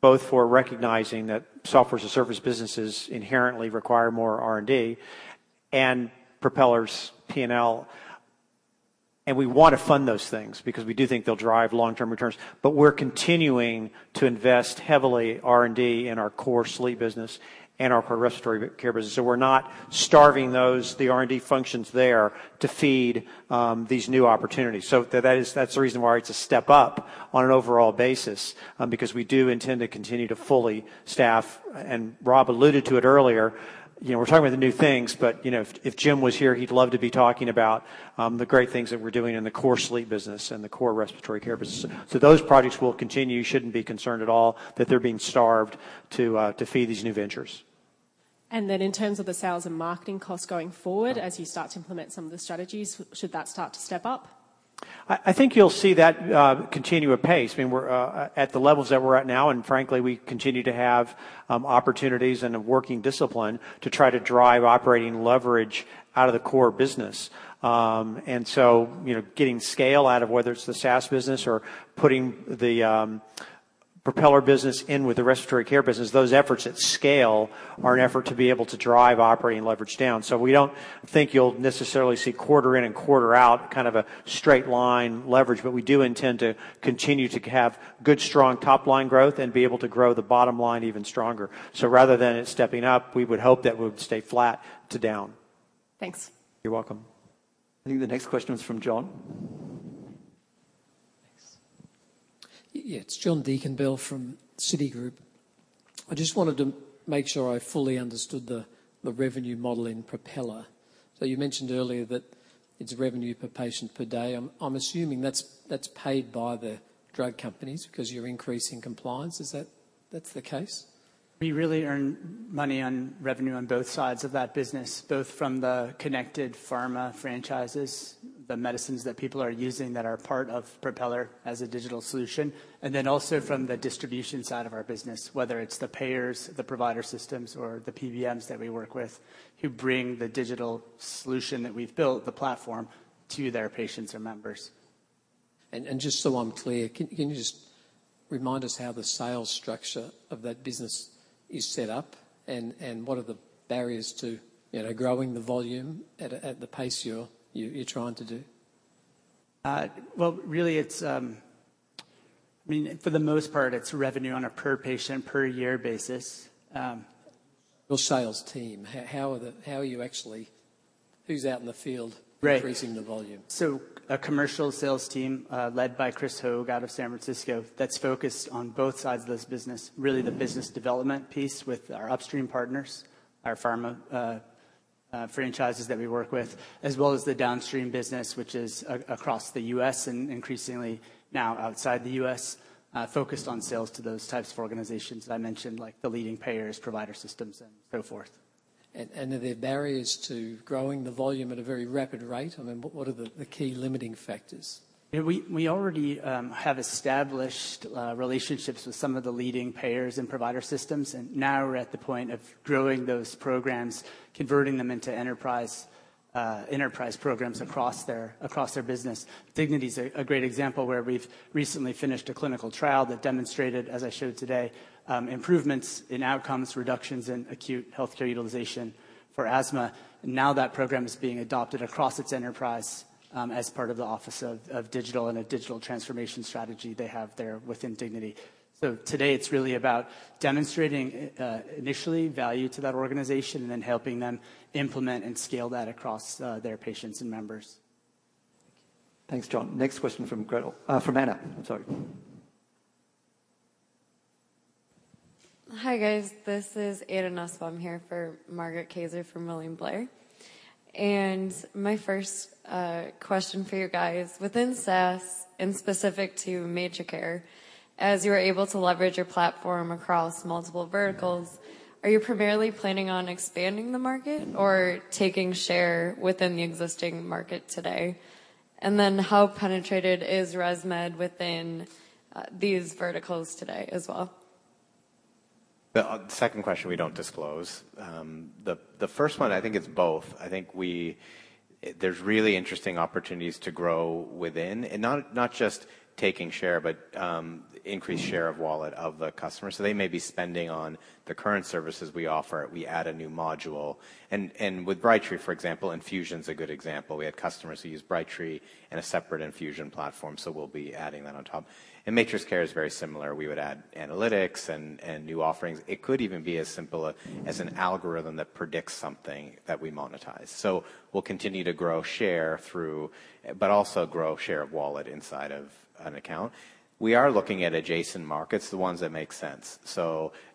both for recognizing that software as a service businesses inherently require more R&D and Propeller's P&L. We want to fund those things because we do think they'll drive long-term returns, but we're continuing to invest heavily R&D in our core sleep business and our respiratory care business. We're not starving those, the R&D functions there, to feed these new opportunities. That's the reason why it's a step-up on an overall basis because we do intend to continue to fully staff. Rob alluded to it earlier. You know, we're talking about the new things, but, you know, if Jim was here, he'd love to be talking about the great things that we're doing in the core sleep business and the core respiratory care business. Those projects will continue. You shouldn't be concerned at all that they're being starved to feed these new ventures. In terms of the sales and marketing costs going forward, as you start to implement some of the strategies, should that start to step up? I think you'll see that continue apace. I mean, we're at the levels that we're at now, frankly, we continue to have opportunities and a working discipline to try to drive operating leverage out of the core business. You know, getting scale out of whether it's the SaaS business or putting the Propeller business in with the Respiratory Care business, those efforts at scale are an effort to be able to drive operating leverage down. We don't think you'll necessarily see quarter in and quarter out kind of a straight line leverage, but we do intend to continue to have good, strong top-line growth and be able to grow the bottom line even stronger. Rather than it stepping up, we would hope that it would stay flat to down. Thanks. You're welcome. I think the next question was from John. Thanks. Yeah. It's John Deakin-Bell from Citigroup. I just wanted to make sure I fully understood the revenue model in Propeller. You mentioned earlier that it's revenue per patient per day. I'm assuming that's paid by the drug companies because you're increasing compliance. Is that That's the case? We really earn money on revenue on both sides of that business, both from the connected pharma franchises, the medicines that people are using that are part of Propeller as a digital solution, and then also from the distribution side of our business, whether it's the payers, the provider systems, or the PBMs that we work with who bring the digital solution that we've built, the platform, to their patients or members. Just so I'm clear, can you just remind us how the sales structure of that business is set up and what are the barriers to, you know, growing the volume at the pace you're trying to do? Well, really it's, I mean, for the most part, it's revenue on a per patient per year basis. Your sales team, how are you actually Who's out in the field? Right. increasing the volume? A commercial sales team, led by Chris Hogg out of San Francisco that's focused on both sides of this business, really the business development piece with our upstream partners, our pharma franchises that we work with, as well as the downstream business, which is across the U.S. and increasingly now outside the U.S., focused on sales to those types of organizations that I mentioned, like the leading payers, provider systems, and so forth. Are there barriers to growing the volume at a very rapid rate? I mean, what are the key limiting factors? You know, we already have established relationships with some of the leading payers and provider systems. Now we're at the point of growing those programs, converting them into enterprise programs across their business. Dignity's a great example where we've recently finished a clinical trial that demonstrated, as I showed today, improvements in outcomes, reductions in acute healthcare utilization for asthma. That program is being adopted across its enterprise as part of the office of digital and a digital transformation strategy they have there within Dignity. Today, it's really about demonstrating initially value to that organization and then helping them implement and scale that across their patients and members. Thanks, John. Next question from Anna. I'm sorry. Hi, guys. This is Anna Nussbaum here for Margaret Kaczor Andrew from William Blair. My first question for you guys: within SaaS, specific to MatrixCare, as you are able to leverage your platform across multiple verticals, are you primarily planning on expanding the market or taking share within the existing market today? How penetrated is ResMed within these verticals today as well? The second question we don't disclose. The first one, I think it's both. I think there's really interesting opportunities to grow within, not just taking share, but increased share of wallet of the customer. They may be spending on the current services we offer. We add a new module. With Brightree, for example, infusion's a good example. We have customers who use Brightree and a separate infusion platform, so we'll be adding that on top. MatrixCare is very similar. We would add analytics and new offerings. It could even be as simple as an algorithm that predicts something that we monetize. We'll continue to grow share through but also grow share of wallet inside of an account. We are looking at adjacent markets, the ones that make sense.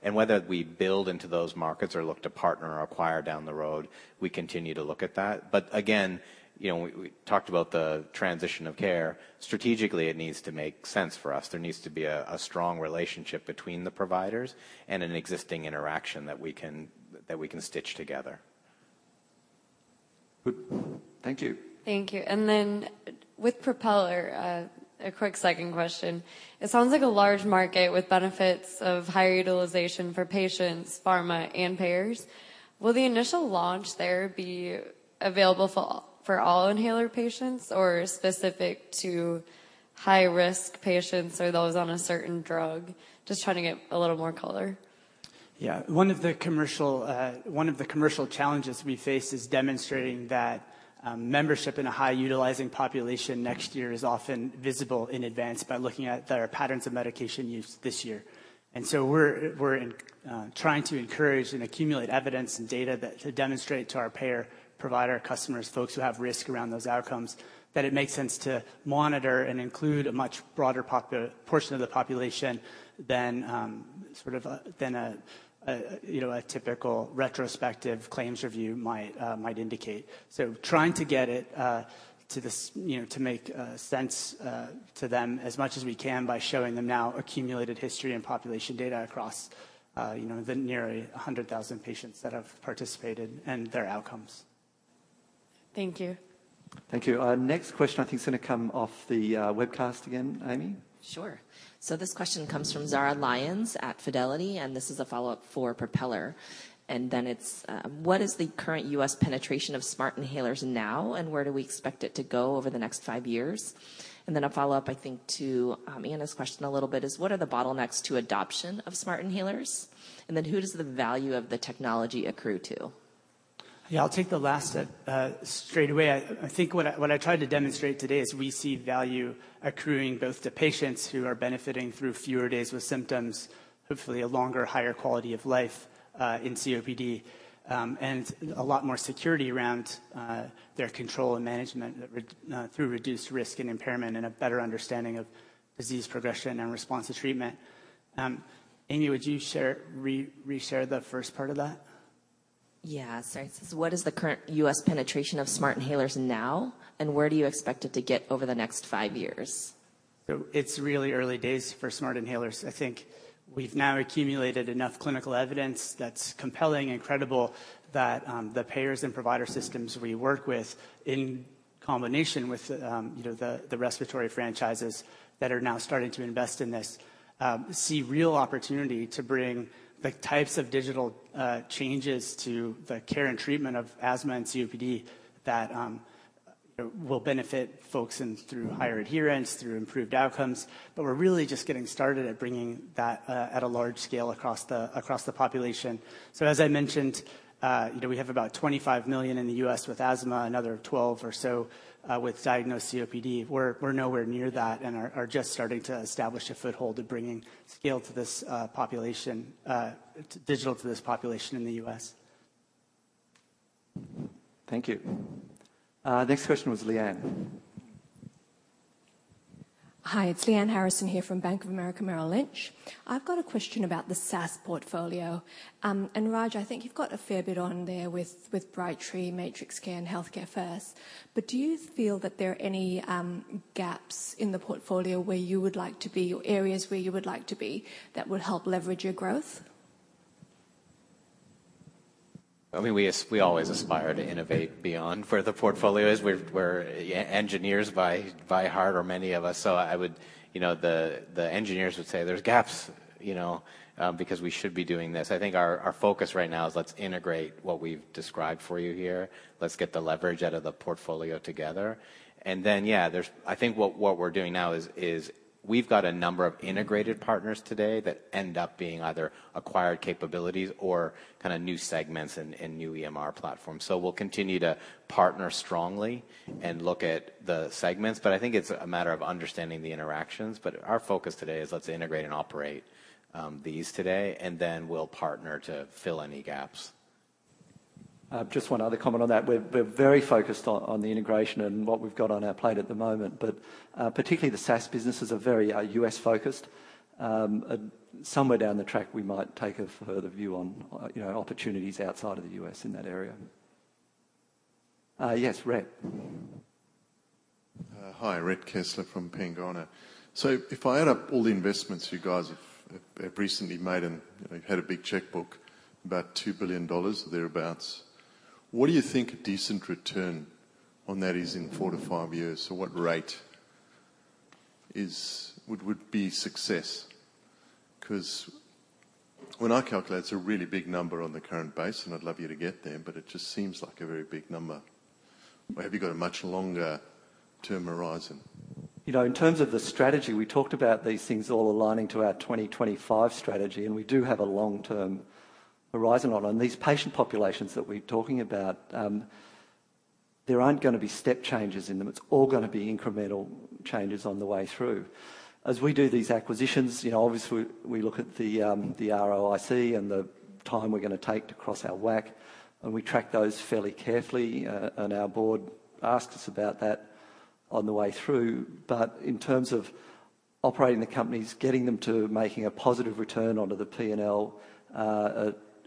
Whether we build into those markets or look to partner or acquire down the road, we continue to look at that. Again, you know, we talked about the transition of care. Strategically, it needs to make sense for us. There needs to be a strong relationship between the providers and an existing interaction that we can stitch together. Good. Thank you. Thank you. With Propeller, a quick second question. It sounds like a large market with benefits of higher utilization for patients, pharma, and payers. Will the initial launch there be available for all inhaler patients or specific to high-risk patients or those on a certain drug? Just trying to get a little more color. One of the commercial challenges we face is demonstrating that membership in a high-utilizing population next year is often visible in advance by looking at their patterns of medication use this year. We're trying to encourage and accumulate evidence and data to demonstrate to our payer provider customers, folks who have risk around those outcomes, that it makes sense to monitor and include a much broader portion of the population than sort of a, than a, you know, a typical retrospective claims review might indicate. Trying to get it to this, you know, to make sense to them as much as we can by showing them now accumulated history and population data across, you know, the nearly 100,000 patients that have participated and their outcomes. Thank you. Thank you. Next question I think is going to come off the webcast again, Amy. Sure. This question comes from Zara Lyons at Fidelity, and this is a follow-up for Propeller. What is the current U.S. penetration of smart inhalers now, and where do we expect it to go over the next five years? A follow-up, I think, to Anna's question a little bit is: What are the bottlenecks to adoption of smart inhalers? Who does the value of the technology accrue to? Yeah, I'll take the last straight away. I think what I tried to demonstrate today is we see value accruing both to patients who are benefiting through fewer days with symptoms, hopefully a longer, higher quality of life in COPD, and a lot more security around their control and management through reduced risk and impairment and a better understanding of disease progression and response to treatment. Amy, would you reshare the first part of that? Yeah. Sorry. What is the current U.S. penetration of smart inhalers now, and where do you expect it to get over the next five years? It's really early days for smart inhalers. I think we've now accumulated enough clinical evidence that's compelling and credible that the payers and provider systems we work with in combination with, you know, the respiratory franchises that are now starting to invest in this, see real opportunity to bring the types of digital changes to the care and treatment of asthma and COPD that, you know, will benefit folks and through higher adherence, through improved outcomes. We're really just getting started at bringing that at a large scale across the, across the population. As I mentioned, you know, we have about 25 million in the U.S. with asthma, another 12 or so with diagnosed COPD. We're nowhere near that and are just starting to establish a foothold at bringing scale to this population, digital to this population in the U.S. Thank you. Next question was Lyanne. Hi, it's Lyanne Harrison here from Bank of America Merrill Lynch. I've got a question about the SaaS portfolio. Raj, I think you've got a fair bit on there with Brightree, MatrixCare, and HEALTHCAREfirst. Do you feel that there are any gaps in the portfolio where you would like to be or areas where you would like to be that would help leverage your growth? I mean, we we always aspire to innovate beyond for the portfolios. We're engineers by heart or many of us. I would, you know, the engineers would say, "There's gaps, you know, because we should be doing this." I think our focus right now is let's integrate what we've described for you here. Let's get the leverage out of the portfolio together. Then, yeah, I think what we're doing now is we've got a number of integrated partners today that end up being either acquired capabilities or kinda new segments and new EMR platforms. We'll continue to partner strongly and look at the segments, but I think it's a matter of understanding the interactions. Our focus today is let's integrate and operate these today, and then we'll partner to fill any gaps. Just one other comment on that. We're very focused on the integration and what we've got on our plate at the moment. Particularly the SaaS businesses are very, U.S.-focused. Somewhere down the track, we might take a further view on, you know, opportunities outside of the U.S. in that area. Yes, Rhett. Hi. Rhett Kessler from Pengana. If I add up all the investments you guys have recently made and, you know, had a big checkbook, about $2 billion or thereabouts, what do you think a decent return on that is in 4-5 years? What rate would be success? 'Cause when I calculate, it's a really big number on the current base, and I'd love you to get there, but it just seems like a very big number. Or have you got a much longer-term horizon? You know, in terms of the strategy, we talked about these things all aligning to our 2025 strategy. We do have a long-term horizon on them. These patient populations that we're talking about, there aren't gonna be step changes in them. It's all gonna be incremental changes on the way through. As we do these acquisitions, you know, obviously we look at the ROIC and the time we're gonna take to cross our WACC. We track those fairly carefully. Our board asks us about that on the way through. In terms of operating the companies, getting them to making a positive return onto the P&L,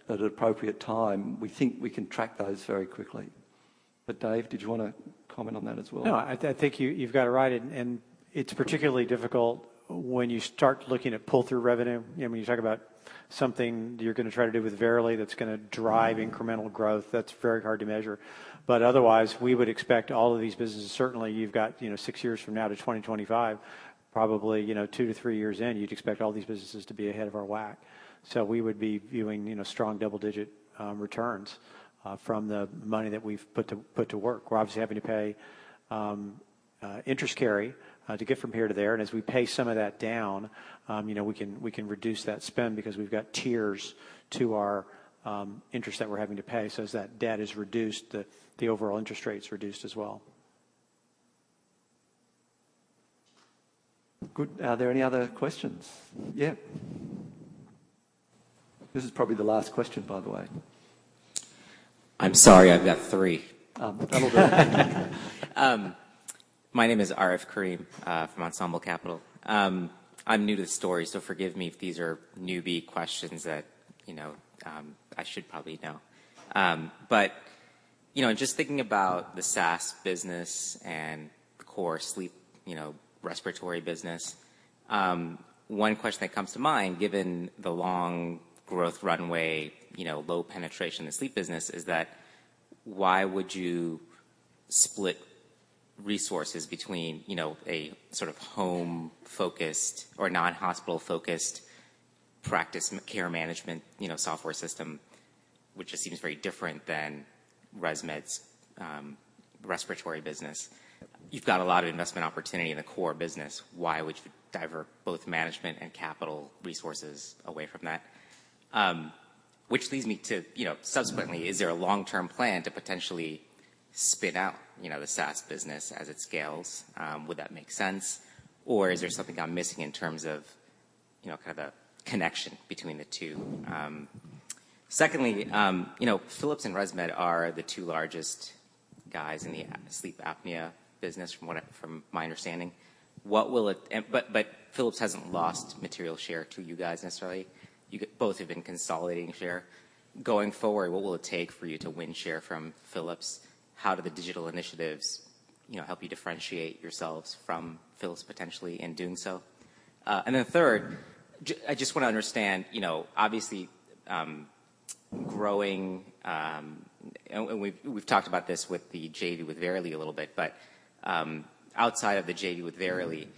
at an appropriate time, we think we can track those very quickly. Dave, did you wanna comment on that as well? No, I think you've got it right. It's particularly difficult when you start looking at pull-through revenue. You know, when you talk about something you're going to try to do with Verily that's going to drive incremental growth, that's very hard to measure. Otherwise, we would expect all of these businesses, certainly, you've got, you know, six years from now to 2025, probably, you know, 2-3 years in, you'd expect all these businesses to be ahead of our WACC. We would be viewing, you know, strong double-digit returns from the money that we've put to work. We're obviously having to pay interest carry to get from here to there. As we pay some of that down, you know, we can reduce that spend because we've got tiers to our interest that we're having to pay. As that debt is reduced, the overall interest rate's reduced as well. Good. Are there any other questions? Yeah. This is probably the last question, by the way. I'm sorry, I've got three. That'll do. My name is Arif Karim, from Ensemble Capital. I'm new to the story, forgive me if these are newbie questions that, you know, I should probably know. You know, just thinking about the SaaS business and the core sleep, you know, respiratory business, one question that comes to mind, given the long growth runway, you know, low penetration in sleep business, is that why would you split resources between, you know, a sort of home-focused or non-hospital-focused practice care management, you know, software system, which just seems very different than ResMed's respiratory business? You've got a lot of investment opportunity in the core business. Why would you divert both management and capital resources away from that? Which leads me to, you know, subsequently, is there a long-term plan to potentially spin out, you know, the SaaS business as it scales? Would that make sense? Is there something I'm missing in terms of, you know, kind of a connection between the two? Secondly, you know, Philips and ResMed are the two largest guys in the sleep apnea business from what I from my understanding. What will it. Philips hasn't lost material share to you guys necessarily. You both have been consolidating share. Going forward, what will it take for you to win share from Philips? How do the digital initiatives, you know, help you differentiate yourselves from Philips potentially in doing so? Then third, I just wanna understand, you know, obviously, growing. We've, we've talked about this with the JV with Verily a little bit, but outside of the JV with Verily,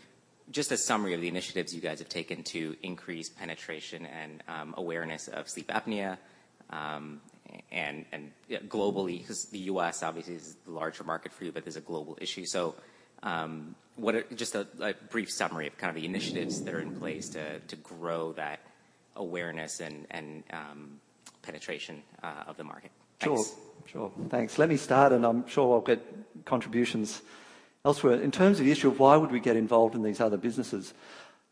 just a summary of the initiatives you guys have taken to increase penetration and awareness of sleep apnea, and, yeah, globally, 'cause the U.S. obviously is the larger market for you, but there's a global issue. Just a brief summary of kind of the initiatives that are in place to grow that awareness and penetration of the market. Thanks. Sure. Sure. Thanks. Let me start, and I'm sure I'll get contributions elsewhere. In terms of the issue of why would we get involved in these other businesses,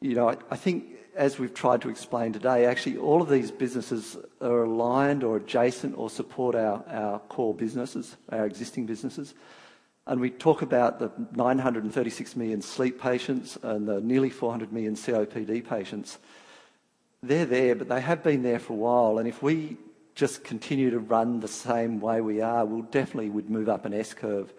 you know, I think as we've tried to explain today, actually all of these businesses are aligned or adjacent or support our core businesses, our existing businesses. We talk about the 936 million sleep patients and the nearly 400 million COPD patients. They're there, but they have been there for a while, and if we just continue to run the same way we are, we'll definitely would move up an S-curve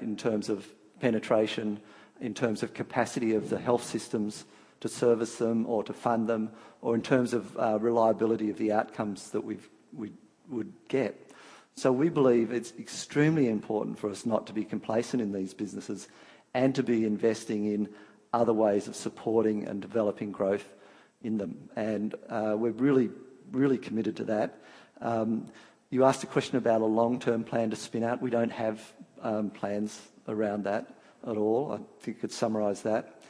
in terms of penetration, in terms of capacity of the health systems to service them or to fund them, or in terms of reliability of the outcomes that we would get. We believe it's extremely important for us not to be complacent in these businesses and to be investing in other ways of supporting and developing growth in them. We're really, really committed to that. You asked a question about a long-term plan to spin out. We don't have plans around that at all. I think you could summarize that.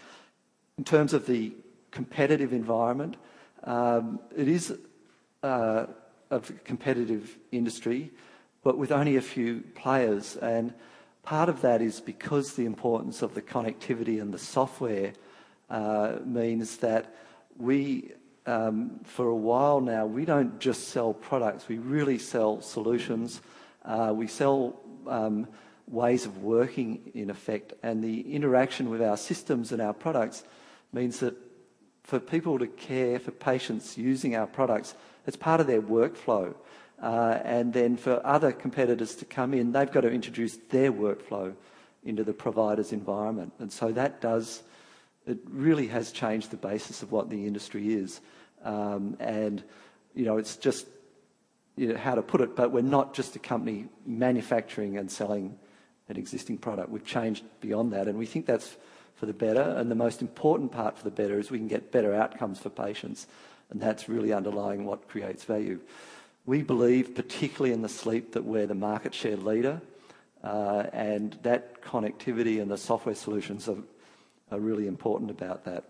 In terms of the competitive environment, it is a competitive industry, but with only a few players. Part of that is because the importance of the connectivity and the software means that we for a while now, we don't just sell products, we really sell solutions. We sell ways of working in effect, and the interaction with our systems and our products means that for people to care for patients using our products, it's part of their workflow. Then for other competitors to come in, they've got to introduce their workflow into the provider's environment. So that really has changed the basis of what the industry is. You know, it's just, you know, how to put it, but we're not just a company manufacturing and selling an existing product. We've changed beyond that, and we think that's for the better. The most important part for the better is we can get better outcomes for patients, and that's really underlying what creates value. We believe, particularly in the sleep, that we're the market share leader, and that connectivity and the software solutions are really important about that.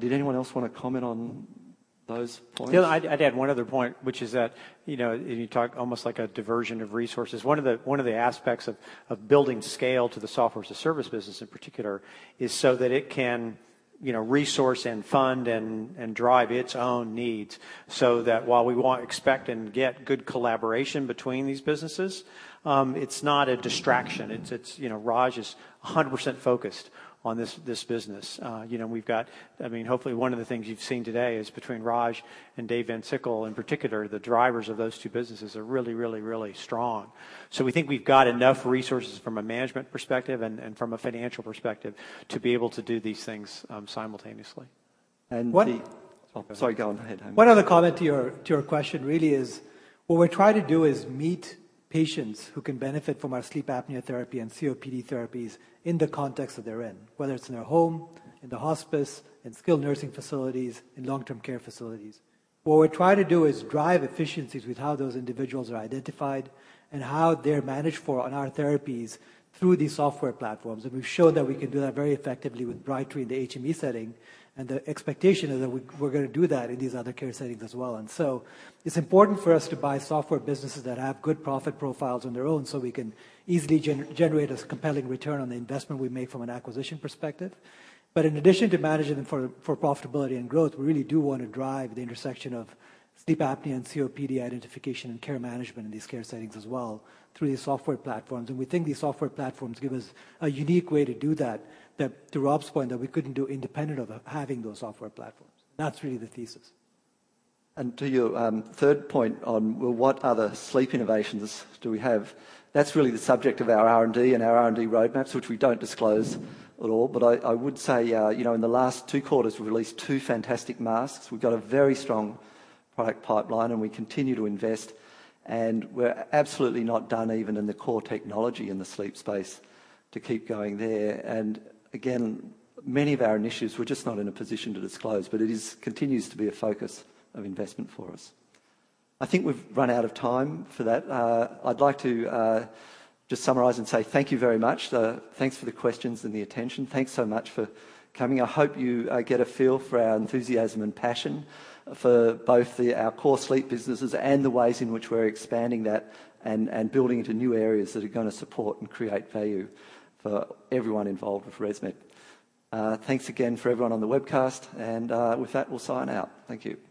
Did anyone else want to comment on those points? Yeah, I'd add one other point, which is that, you know, you talk almost like a diversion of resources. One of the aspects of building scale to the software as a service business in particular is so that it can, you know, resource and fund and drive its own needs, so that while we want, expect, and get good collaboration between these businesses, it's not a distraction. It's, you know, Raj is 100% focused on this business. You know, we've got I mean, hopefully, one of the things you've seen today is between Raj and David Van Sickle in particular, the drivers of those two businesses are really, really, really strong. We think we've got enough resources from a management perspective and from a financial perspective to be able to do these things simultaneously. And the- One- Sorry, go on. One other comment to your question really is, what we try to do is meet patients who can benefit from our sleep apnea therapy and COPD therapies in the context that they're in, whether it's in their home, in the hospice, in skilled nursing facilities, in long-term care facilities. What we try to do is drive efficiencies with how those individuals are identified and how they're managed for on our therapies through these software platforms. We've shown that we can do that very effectively with Brightree in the HME setting, the expectation is that we're gonna do that in these other care settings as well. It's important for us to buy software businesses that have good profit profiles on their own, so we can easily generate a compelling return on the investment we make from an acquisition perspective. In addition to managing them for profitability and growth, we really do wanna drive the intersection of sleep apnea and COPD identification and care management in these care settings as well through these software platforms. We think these software platforms give us a unique way to do that to Rob's point, that we couldn't do independent of having those software platforms. That's really the thesis. To your third point on, well, what other sleep innovations do we have, that's really the subject of our R&D and our R&D roadmaps, which we don't disclose at all. I would say, you know, in the last two quarters, we've released two fantastic masks. We've got a very strong product pipeline, and we continue to invest. We're absolutely not done even in the core technology in the sleep space to keep going there. Again, many of our initiatives, we're just not in a position to disclose, but it continues to be a focus of investment for us. I think we've run out of time for that. I'd like to just summarize and say thank you very much. Thanks for the questions and the attention. Thanks so much for coming. I hope you get a feel for our enthusiasm and passion for both our core sleep businesses and the ways in which we're expanding that and building into new areas that are gonna support and create value for everyone involved with ResMed. Thanks again for everyone on the webcast, and with that, we'll sign out. Thank you.